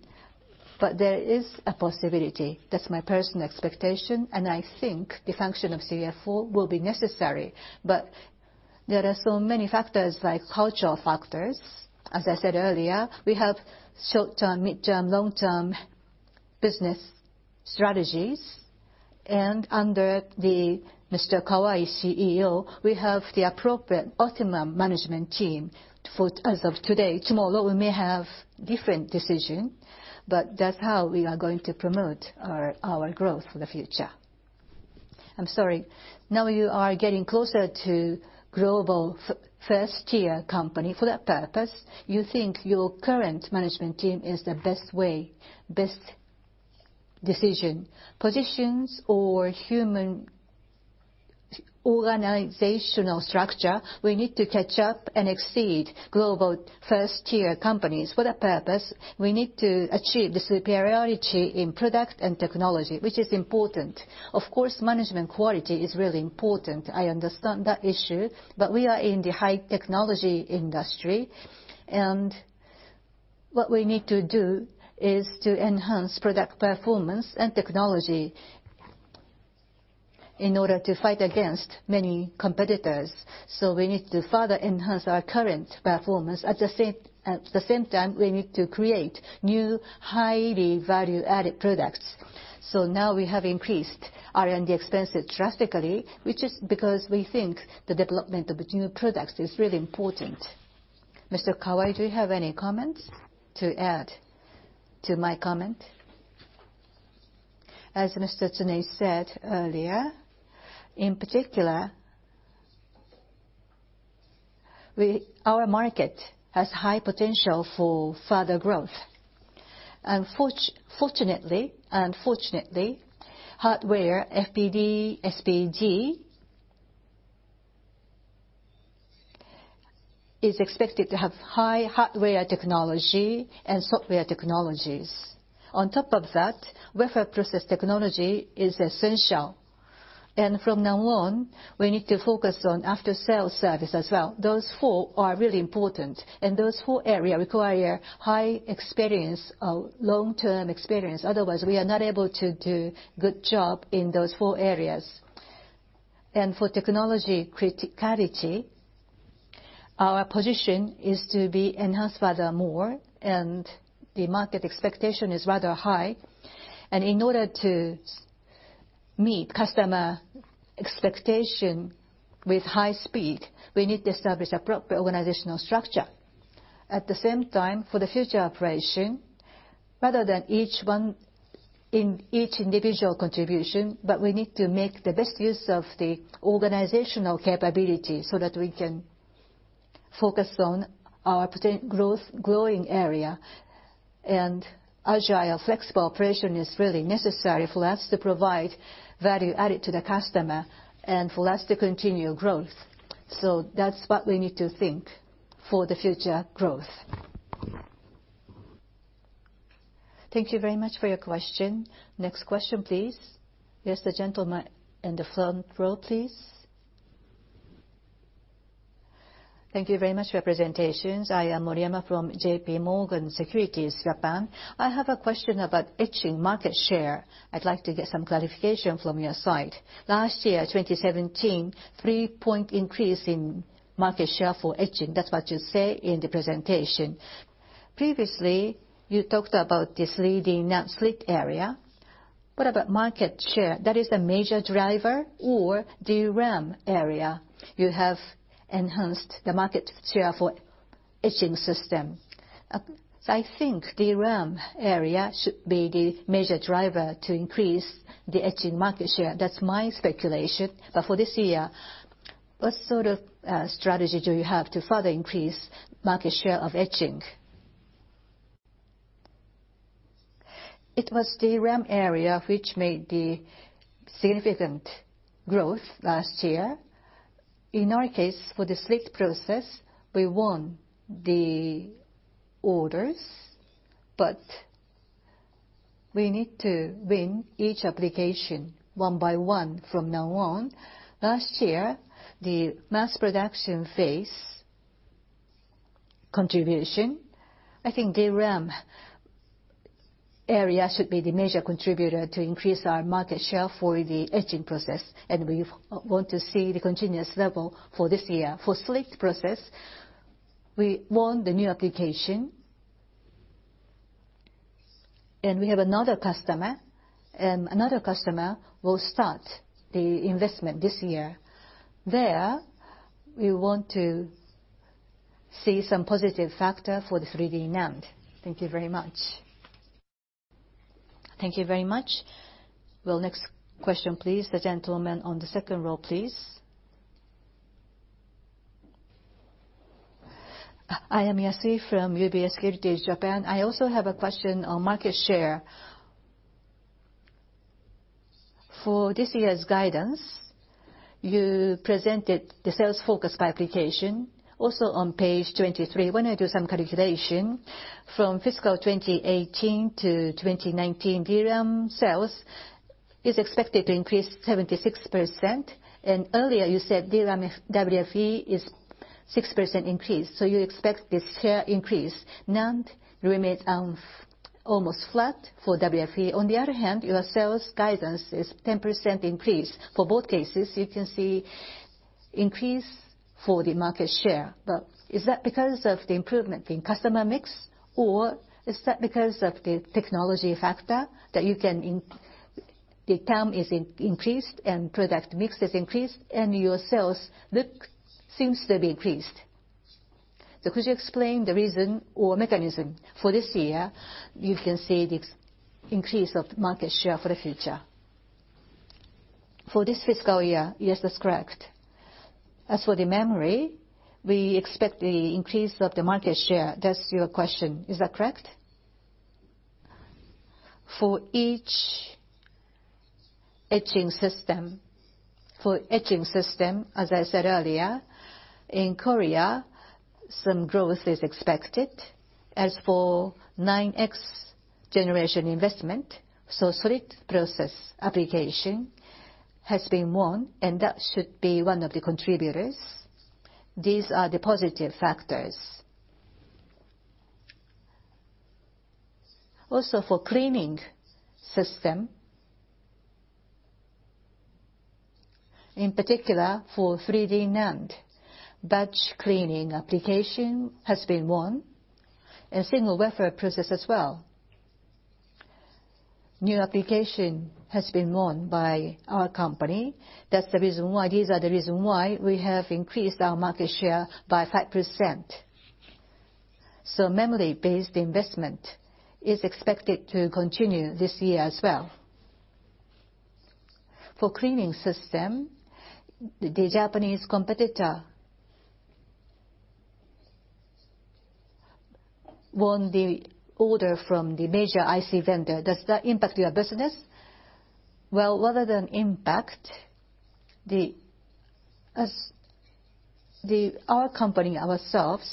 There is a possibility. That's my personal expectation. I think the function of CFO will be necessary. There are so many factors like cultural factors. As I said earlier, we have short-term, midterm, long-term business strategies. Under the Mr. Kawai, CEO, we have the appropriate optimum management team for as of today. Tomorrow, we may have different decision. That's how we are going to promote our growth for the future. I'm sorry. Now you are getting closer to global first tier 1 company. For that purpose, you think your current management team is the best way, best decision? Positions or human organizational structure, we need to catch up and exceed global first tier 1 companies. For that purpose, we need to achieve the superiority in product and technology, which is important. Of course, management quality is really important. I understand that issue. We are in the high technology industry, and what we need to do is to enhance product performance and technology in order to fight against many competitors. We need to further enhance our current performance. At the same time, we need to create new, highly value-added products. Now we have increased R&D expenses drastically, which is because we think the development of the new products is really important. Mr. Kawai, do you have any comments to add to my comment? As Mr. Tsunei said earlier, in particular, our market has high potential for further growth. Fortunately, hardware, FPD, SPD, is expected to have high hardware technology and software technologies. On top of that, wafer process technology is essential. From now on, we need to focus on after-sale service as well. Those four are really important. Those four areas require high experience, long-term experience. Otherwise, we are not able to do good job in those four areas. For technology criticality, our position is to be enhanced further more, and the market expectation is rather high. In order to meet customer expectation with high speed, we need to establish appropriate organizational structure. At the same time, for the future operation, rather than each one in each individual contribution, but we need to make the best use of the organizational capability so that we can focus on our growing area. Agile, flexible operation is really necessary for us to provide value added to the customer and for us to continue growth. That's what we need to think for the future growth. Thank you very much for your question. Next question, please. Yes, the gentleman in the front row, please. Thank you very much, representations. I am Moriyama from JPMorgan Securities Japan. I have a question about Etching market share. I'd like to get some clarification from your side. Last year, 2017, a 3-point increase in market share for Etching. That's what you say in the presentation. Previously, you talked about this leading NAND slit area. What about market share? That is the major driver or DRAM area. You have enhanced the market share for Etching system. I think DRAM area should be the major driver to increase the Etching market share. That's my speculation. For this year, what sort of strategy do you have to further increase market share of Etching? It was the DRAM area which made the significant growth last year. In our case, for the slit process, we won the orders, but we need to win each application one by one from now on. Last year, the mass production phase contribution, I think the DRAM area should be the major contributor to increase our market share for the Etching process, and we want to see the continuous level for this year. For slit process, we won the new application. We have another customer, and another customer will start the investment this year. There, we want to see some positive factor for the 3D NAND. Thank you very much. Thank you very much. Next question, please. The gentleman on the second row, please. I am Yasui from UBS Securities Japan. I also have a question on market share. For this year's guidance, you presented the sales focus by application. Also on page 23, when I do some calculation, from fiscal 2018 to 2019, DRAM sales is expected to increase 76%. Earlier you said DRAM WFE is a 6% increase, you expect this share increase. NAND remains almost flat for WFE. On the other hand, your sales guidance is a 10% increase. For both cases, you can see increase for the market share. Is that because of the improvement in customer mix, or is that because of the technology factor that you can The TAM is increased and product mix is increased, and your sales seems to be increased. Could you explain the reason or mechanism for this year? You can see the increase of market share for the future. For this fiscal year, yes, that's correct. As for the memory, we expect the increase of the market share. That's your question. Is that correct? For etching system, as I said earlier, in Korea, some growth is expected. As for 9X generation investment, slit process application has been won, and that should be one of the contributors. These are the positive factors. Also, for Cleaning System, in particular for 3D NAND, batch cleaning application has been won. Single wafer process as well. New application has been won by our company. These are the reason why we have increased our market share by 5%. Memory-based investment is expected to continue this year as well. For Cleaning System, the Japanese competitor won the order from the major IC vendor. Does that impact your business? Rather than impact, our company ourselves,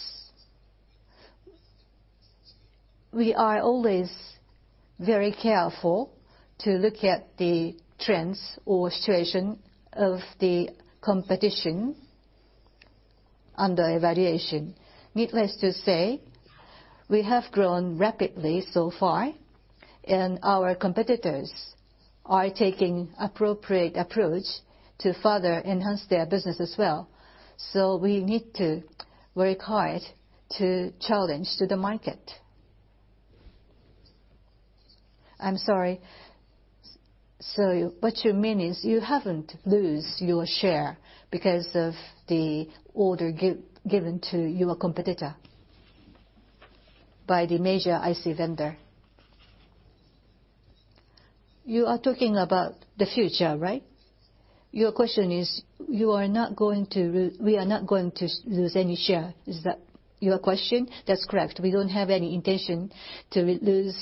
we are always very careful to look at the trends or situation of the competition under evaluation. Needless to say, we have grown rapidly so far, and our competitors are taking appropriate approach to further enhance their business as well. We need to work hard to challenge to the market. I'm sorry. What you mean is you haven't lose your share because of the order given to your competitor by the major IC vendor? You are talking about the future, right? Your question is, we are not going to lose any share. Is that your question? That's correct. We don't have any intention to lose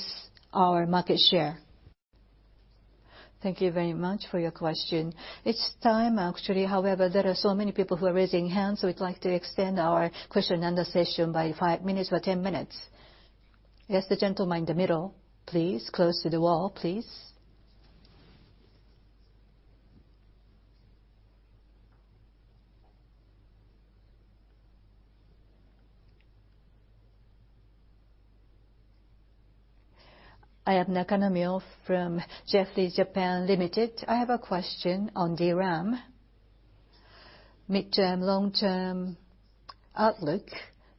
our market share. Thank you very much for your question. It's time, actually. However, there are so many people who are raising hands, so we'd like to extend our question and answer session by five minutes or 10 minutes. Yes, the gentleman in the middle, please. Close to the wall, please. I am Nakanomyo from Jefferies (Japan). I have a question on DRAM. Midterm, long-term outlook.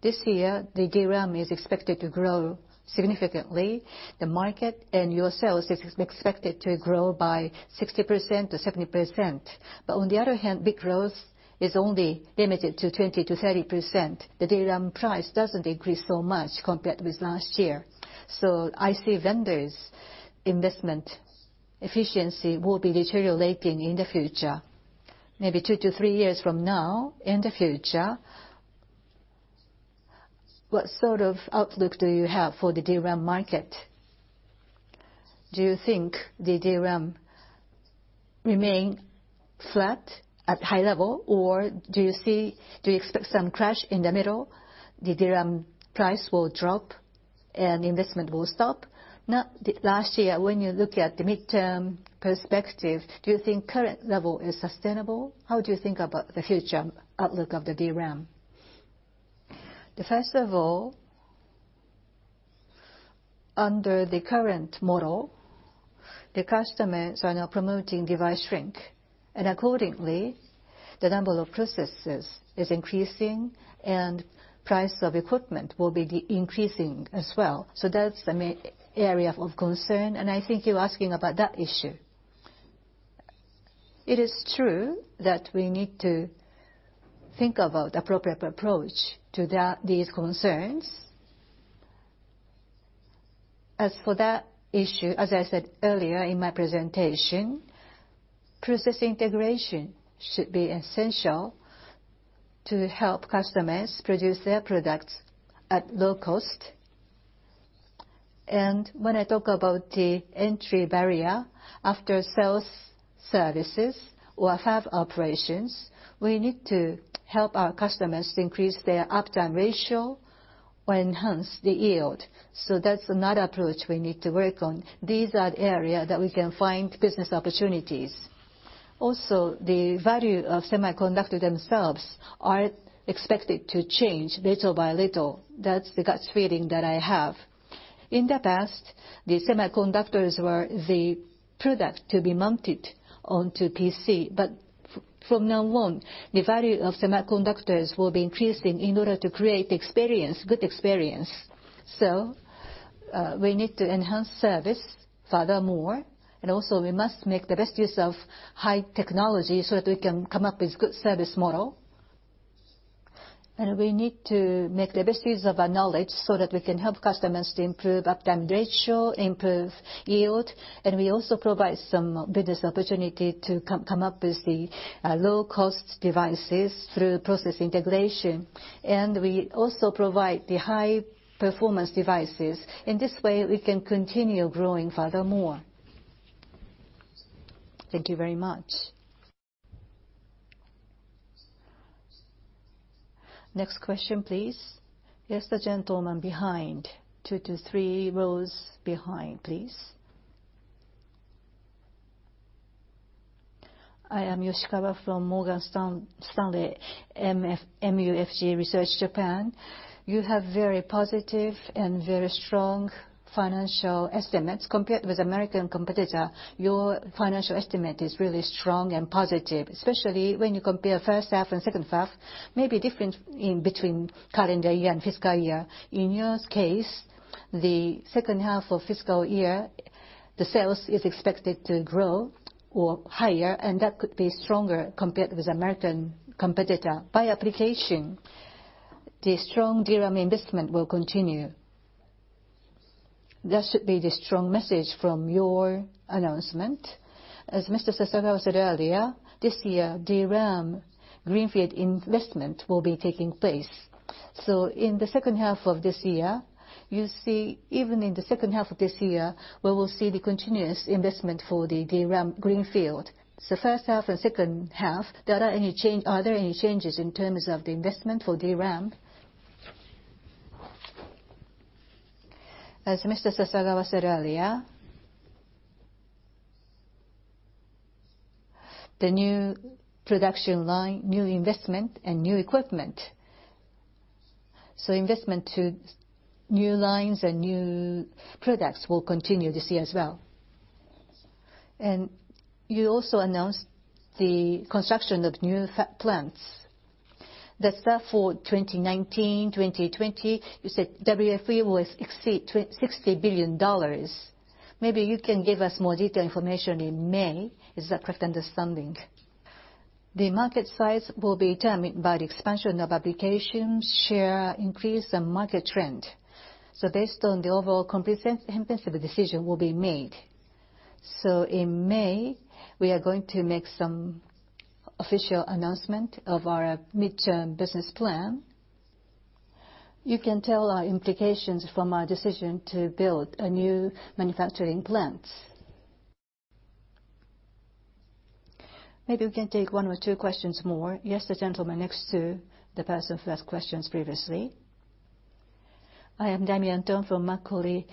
This year, the DRAM is expected to grow significantly. The market and your sales is expected to grow by 60%-70%, but on the other hand, big growth is only limited to 20%-30%. The DRAM price doesn't increase so much compared with last year. IC vendors investment efficiency will be deteriorating in the future. Maybe two to three years from now, in the future, what sort of outlook do you have for the DRAM market? Do you think the DRAM remain flat at high level, or do you expect some crash in the middle? The DRAM price will drop, and investment will stop. Last year, when you look at the midterm perspective, do you think current level is sustainable? How do you think about the future outlook of the DRAM? First of all, under the current model, the customers are now promoting device shrink, and accordingly, the number of processes is increasing, and price of equipment will be increasing as well. That's the main area of concern, and I think you're asking about that issue. It is true that we need to think about appropriate approach to these concerns. As for that issue, as I said earlier in my presentation, process integration should be essential to help customers produce their products at low cost. When I talk about the entry barrier after sales services or fab operations, we need to help our customers to increase their uptime ratio or enhance the yield. That's another approach we need to work on. These are the area that we can find business opportunities. Also, the value of semiconductor themselves are expected to change little by little. That's the gut feeling that I have. In the past, the semiconductors were the product to be mounted onto PC, but from now on, the value of semiconductors will be increasing in order to create good experience. We need to enhance service furthermore. Also, we must make the best use of high technology so that we can come up with good service model. We need to make the best use of our knowledge so that we can help customers to improve uptime ratio, improve yield. We also provide some business opportunity to come up with the low-cost devices through process integration. We also provide the high-performance devices. In this way, we can continue growing furthermore. Thank you very much. Next question, please. Yes, the gentleman behind, two to three rows behind, please. I am Yoshikawa from Morgan Stanley MUFG Research, Japan. You have very positive and very strong financial estimates. Compared with American competitor, your financial estimate is really strong and positive, especially when you compare first half and second half, maybe difference in between calendar year and fiscal year. In your case, the second half of fiscal year, the sales is expected to grow or higher, and that could be stronger compared with American competitor. By application, the strong DRAM investment will continue. That should be the strong message from your announcement. As Mr. Sasagawa said earlier, this year, DRAM greenfield investment will be taking place. In the second half of this year, you see even in the second half of this year, we will see the continuous investment for the DRAM greenfield. First half and second half, are there any changes in terms of the investment for DRAM? As Mr. Sasagawa said earlier, the new production line, new investment, and new equipment. Investment to new lines and new products will continue this year as well. You also announced the construction of new plants. That's set for 2019, 2020. You said WFE will exceed $60 billion. Maybe you can give us more detailed information in May. Is that correct understanding? The market size will be determined by the expansion of applications, share increase, and market trend. Based on the overall comprehensive decision will be made. In May, we are going to make some official announcement of our mid-term business plan. You can tell our implications from our decision to build new manufacturing plants. Maybe we can take one or two questions more. Yes, the gentleman next to the person who asked questions previously. I am Damian Thong from Macquarie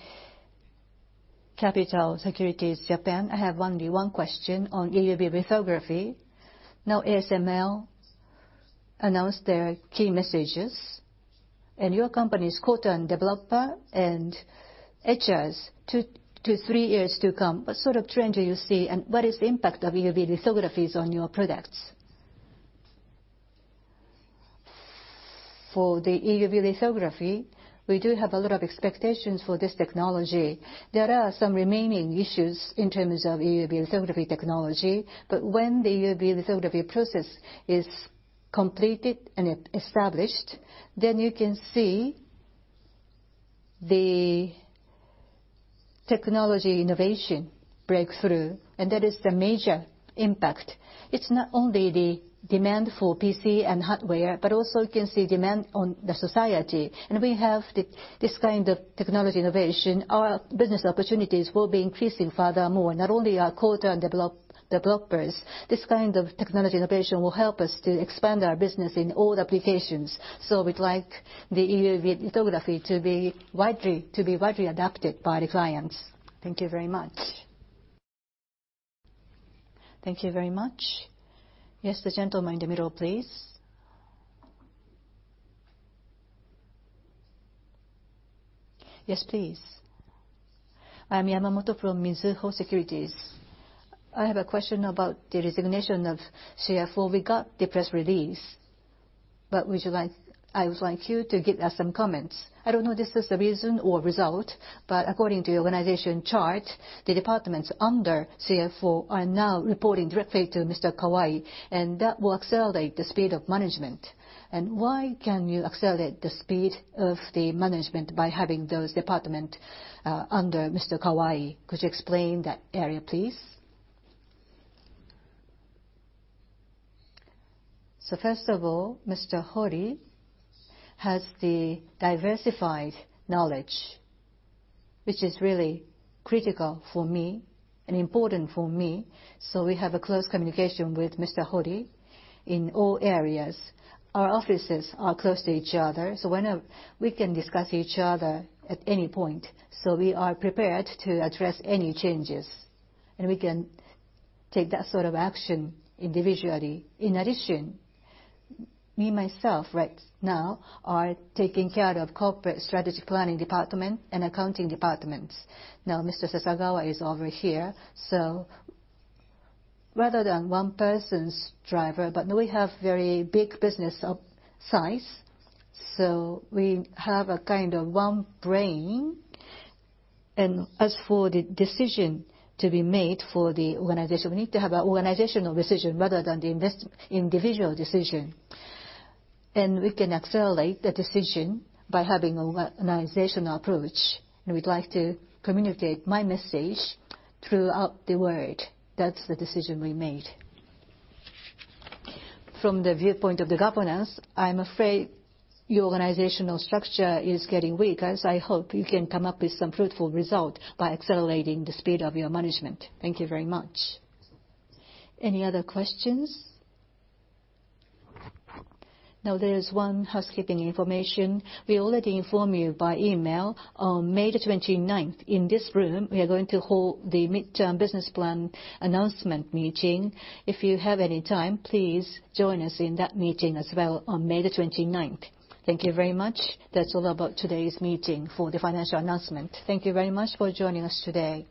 Capital Securities (Japan) Limited. I have only one question on EUV lithography. ASML announced their key messages. Your company is Coater and Developer, and etchers two to three years to come. What sort of trend do you see? What is the impact of EUV lithographies on your products? For the EUV lithography, we do have a lot of expectations for this technology. There are some remaining issues in terms of EUV lithography technology. When the EUV lithography process is completed and established, you can see the technology innovation breakthrough. That is the major impact. It's not only the demand for PC and hardware, also you can see demand on the society. We have this kind of technology innovation, our business opportunities will be increasing furthermore, not only our Coater and Developers. This kind of technology innovation will help us to expand our business in all applications. We'd like the EUV lithography to be widely adopted by the clients. Thank you very much. Thank you very much. The gentleman in the middle, please. Please. I'm Yamamoto from Mizuho Securities. I have a question about the resignation of CFO. We got the press release, but I would like you to give us some comments. I don't know this is the reason or result, but according to the organization chart, the departments under CFO are now reporting directly to Mr. Kawai, and that will accelerate the speed of management. Why can you accelerate the speed of the management by having those department under Mr. Kawai? Could you explain that area, please? First of all, Mr. Hori has the diversified knowledge, which is really critical for me and important for me. We have a close communication with Mr. Hori in all areas. Our offices are close to each other, so we can discuss each other at any point. We are prepared to address any changes, and we can take that sort of action individually. In addition, me myself right now are taking care of corporate strategy planning department and accounting departments. Mr. Sasagawa is over here, so rather than one person's driver, but now we have very big business size, so we have a kind of one brain. As for the decision to be made for the organization, we need to have organizational decision rather than the individual decision. We can accelerate the decision by having organizational approach. We'd like to communicate my message throughout the world. That's the decision we made. From the viewpoint of the governance, I'm afraid your organizational structure is getting weak, as I hope you can come up with some fruitful result by accelerating the speed of your management. Thank you very much. Any other questions? There is one housekeeping information. We already informed you by email. On May the 29th in this room, we are going to hold the mid-term business plan announcement meeting. If you have any time, please join us in that meeting as well on May the 29th. Thank you very much. That's all about today's meeting for the financial announcement. Thank you very much for joining us today.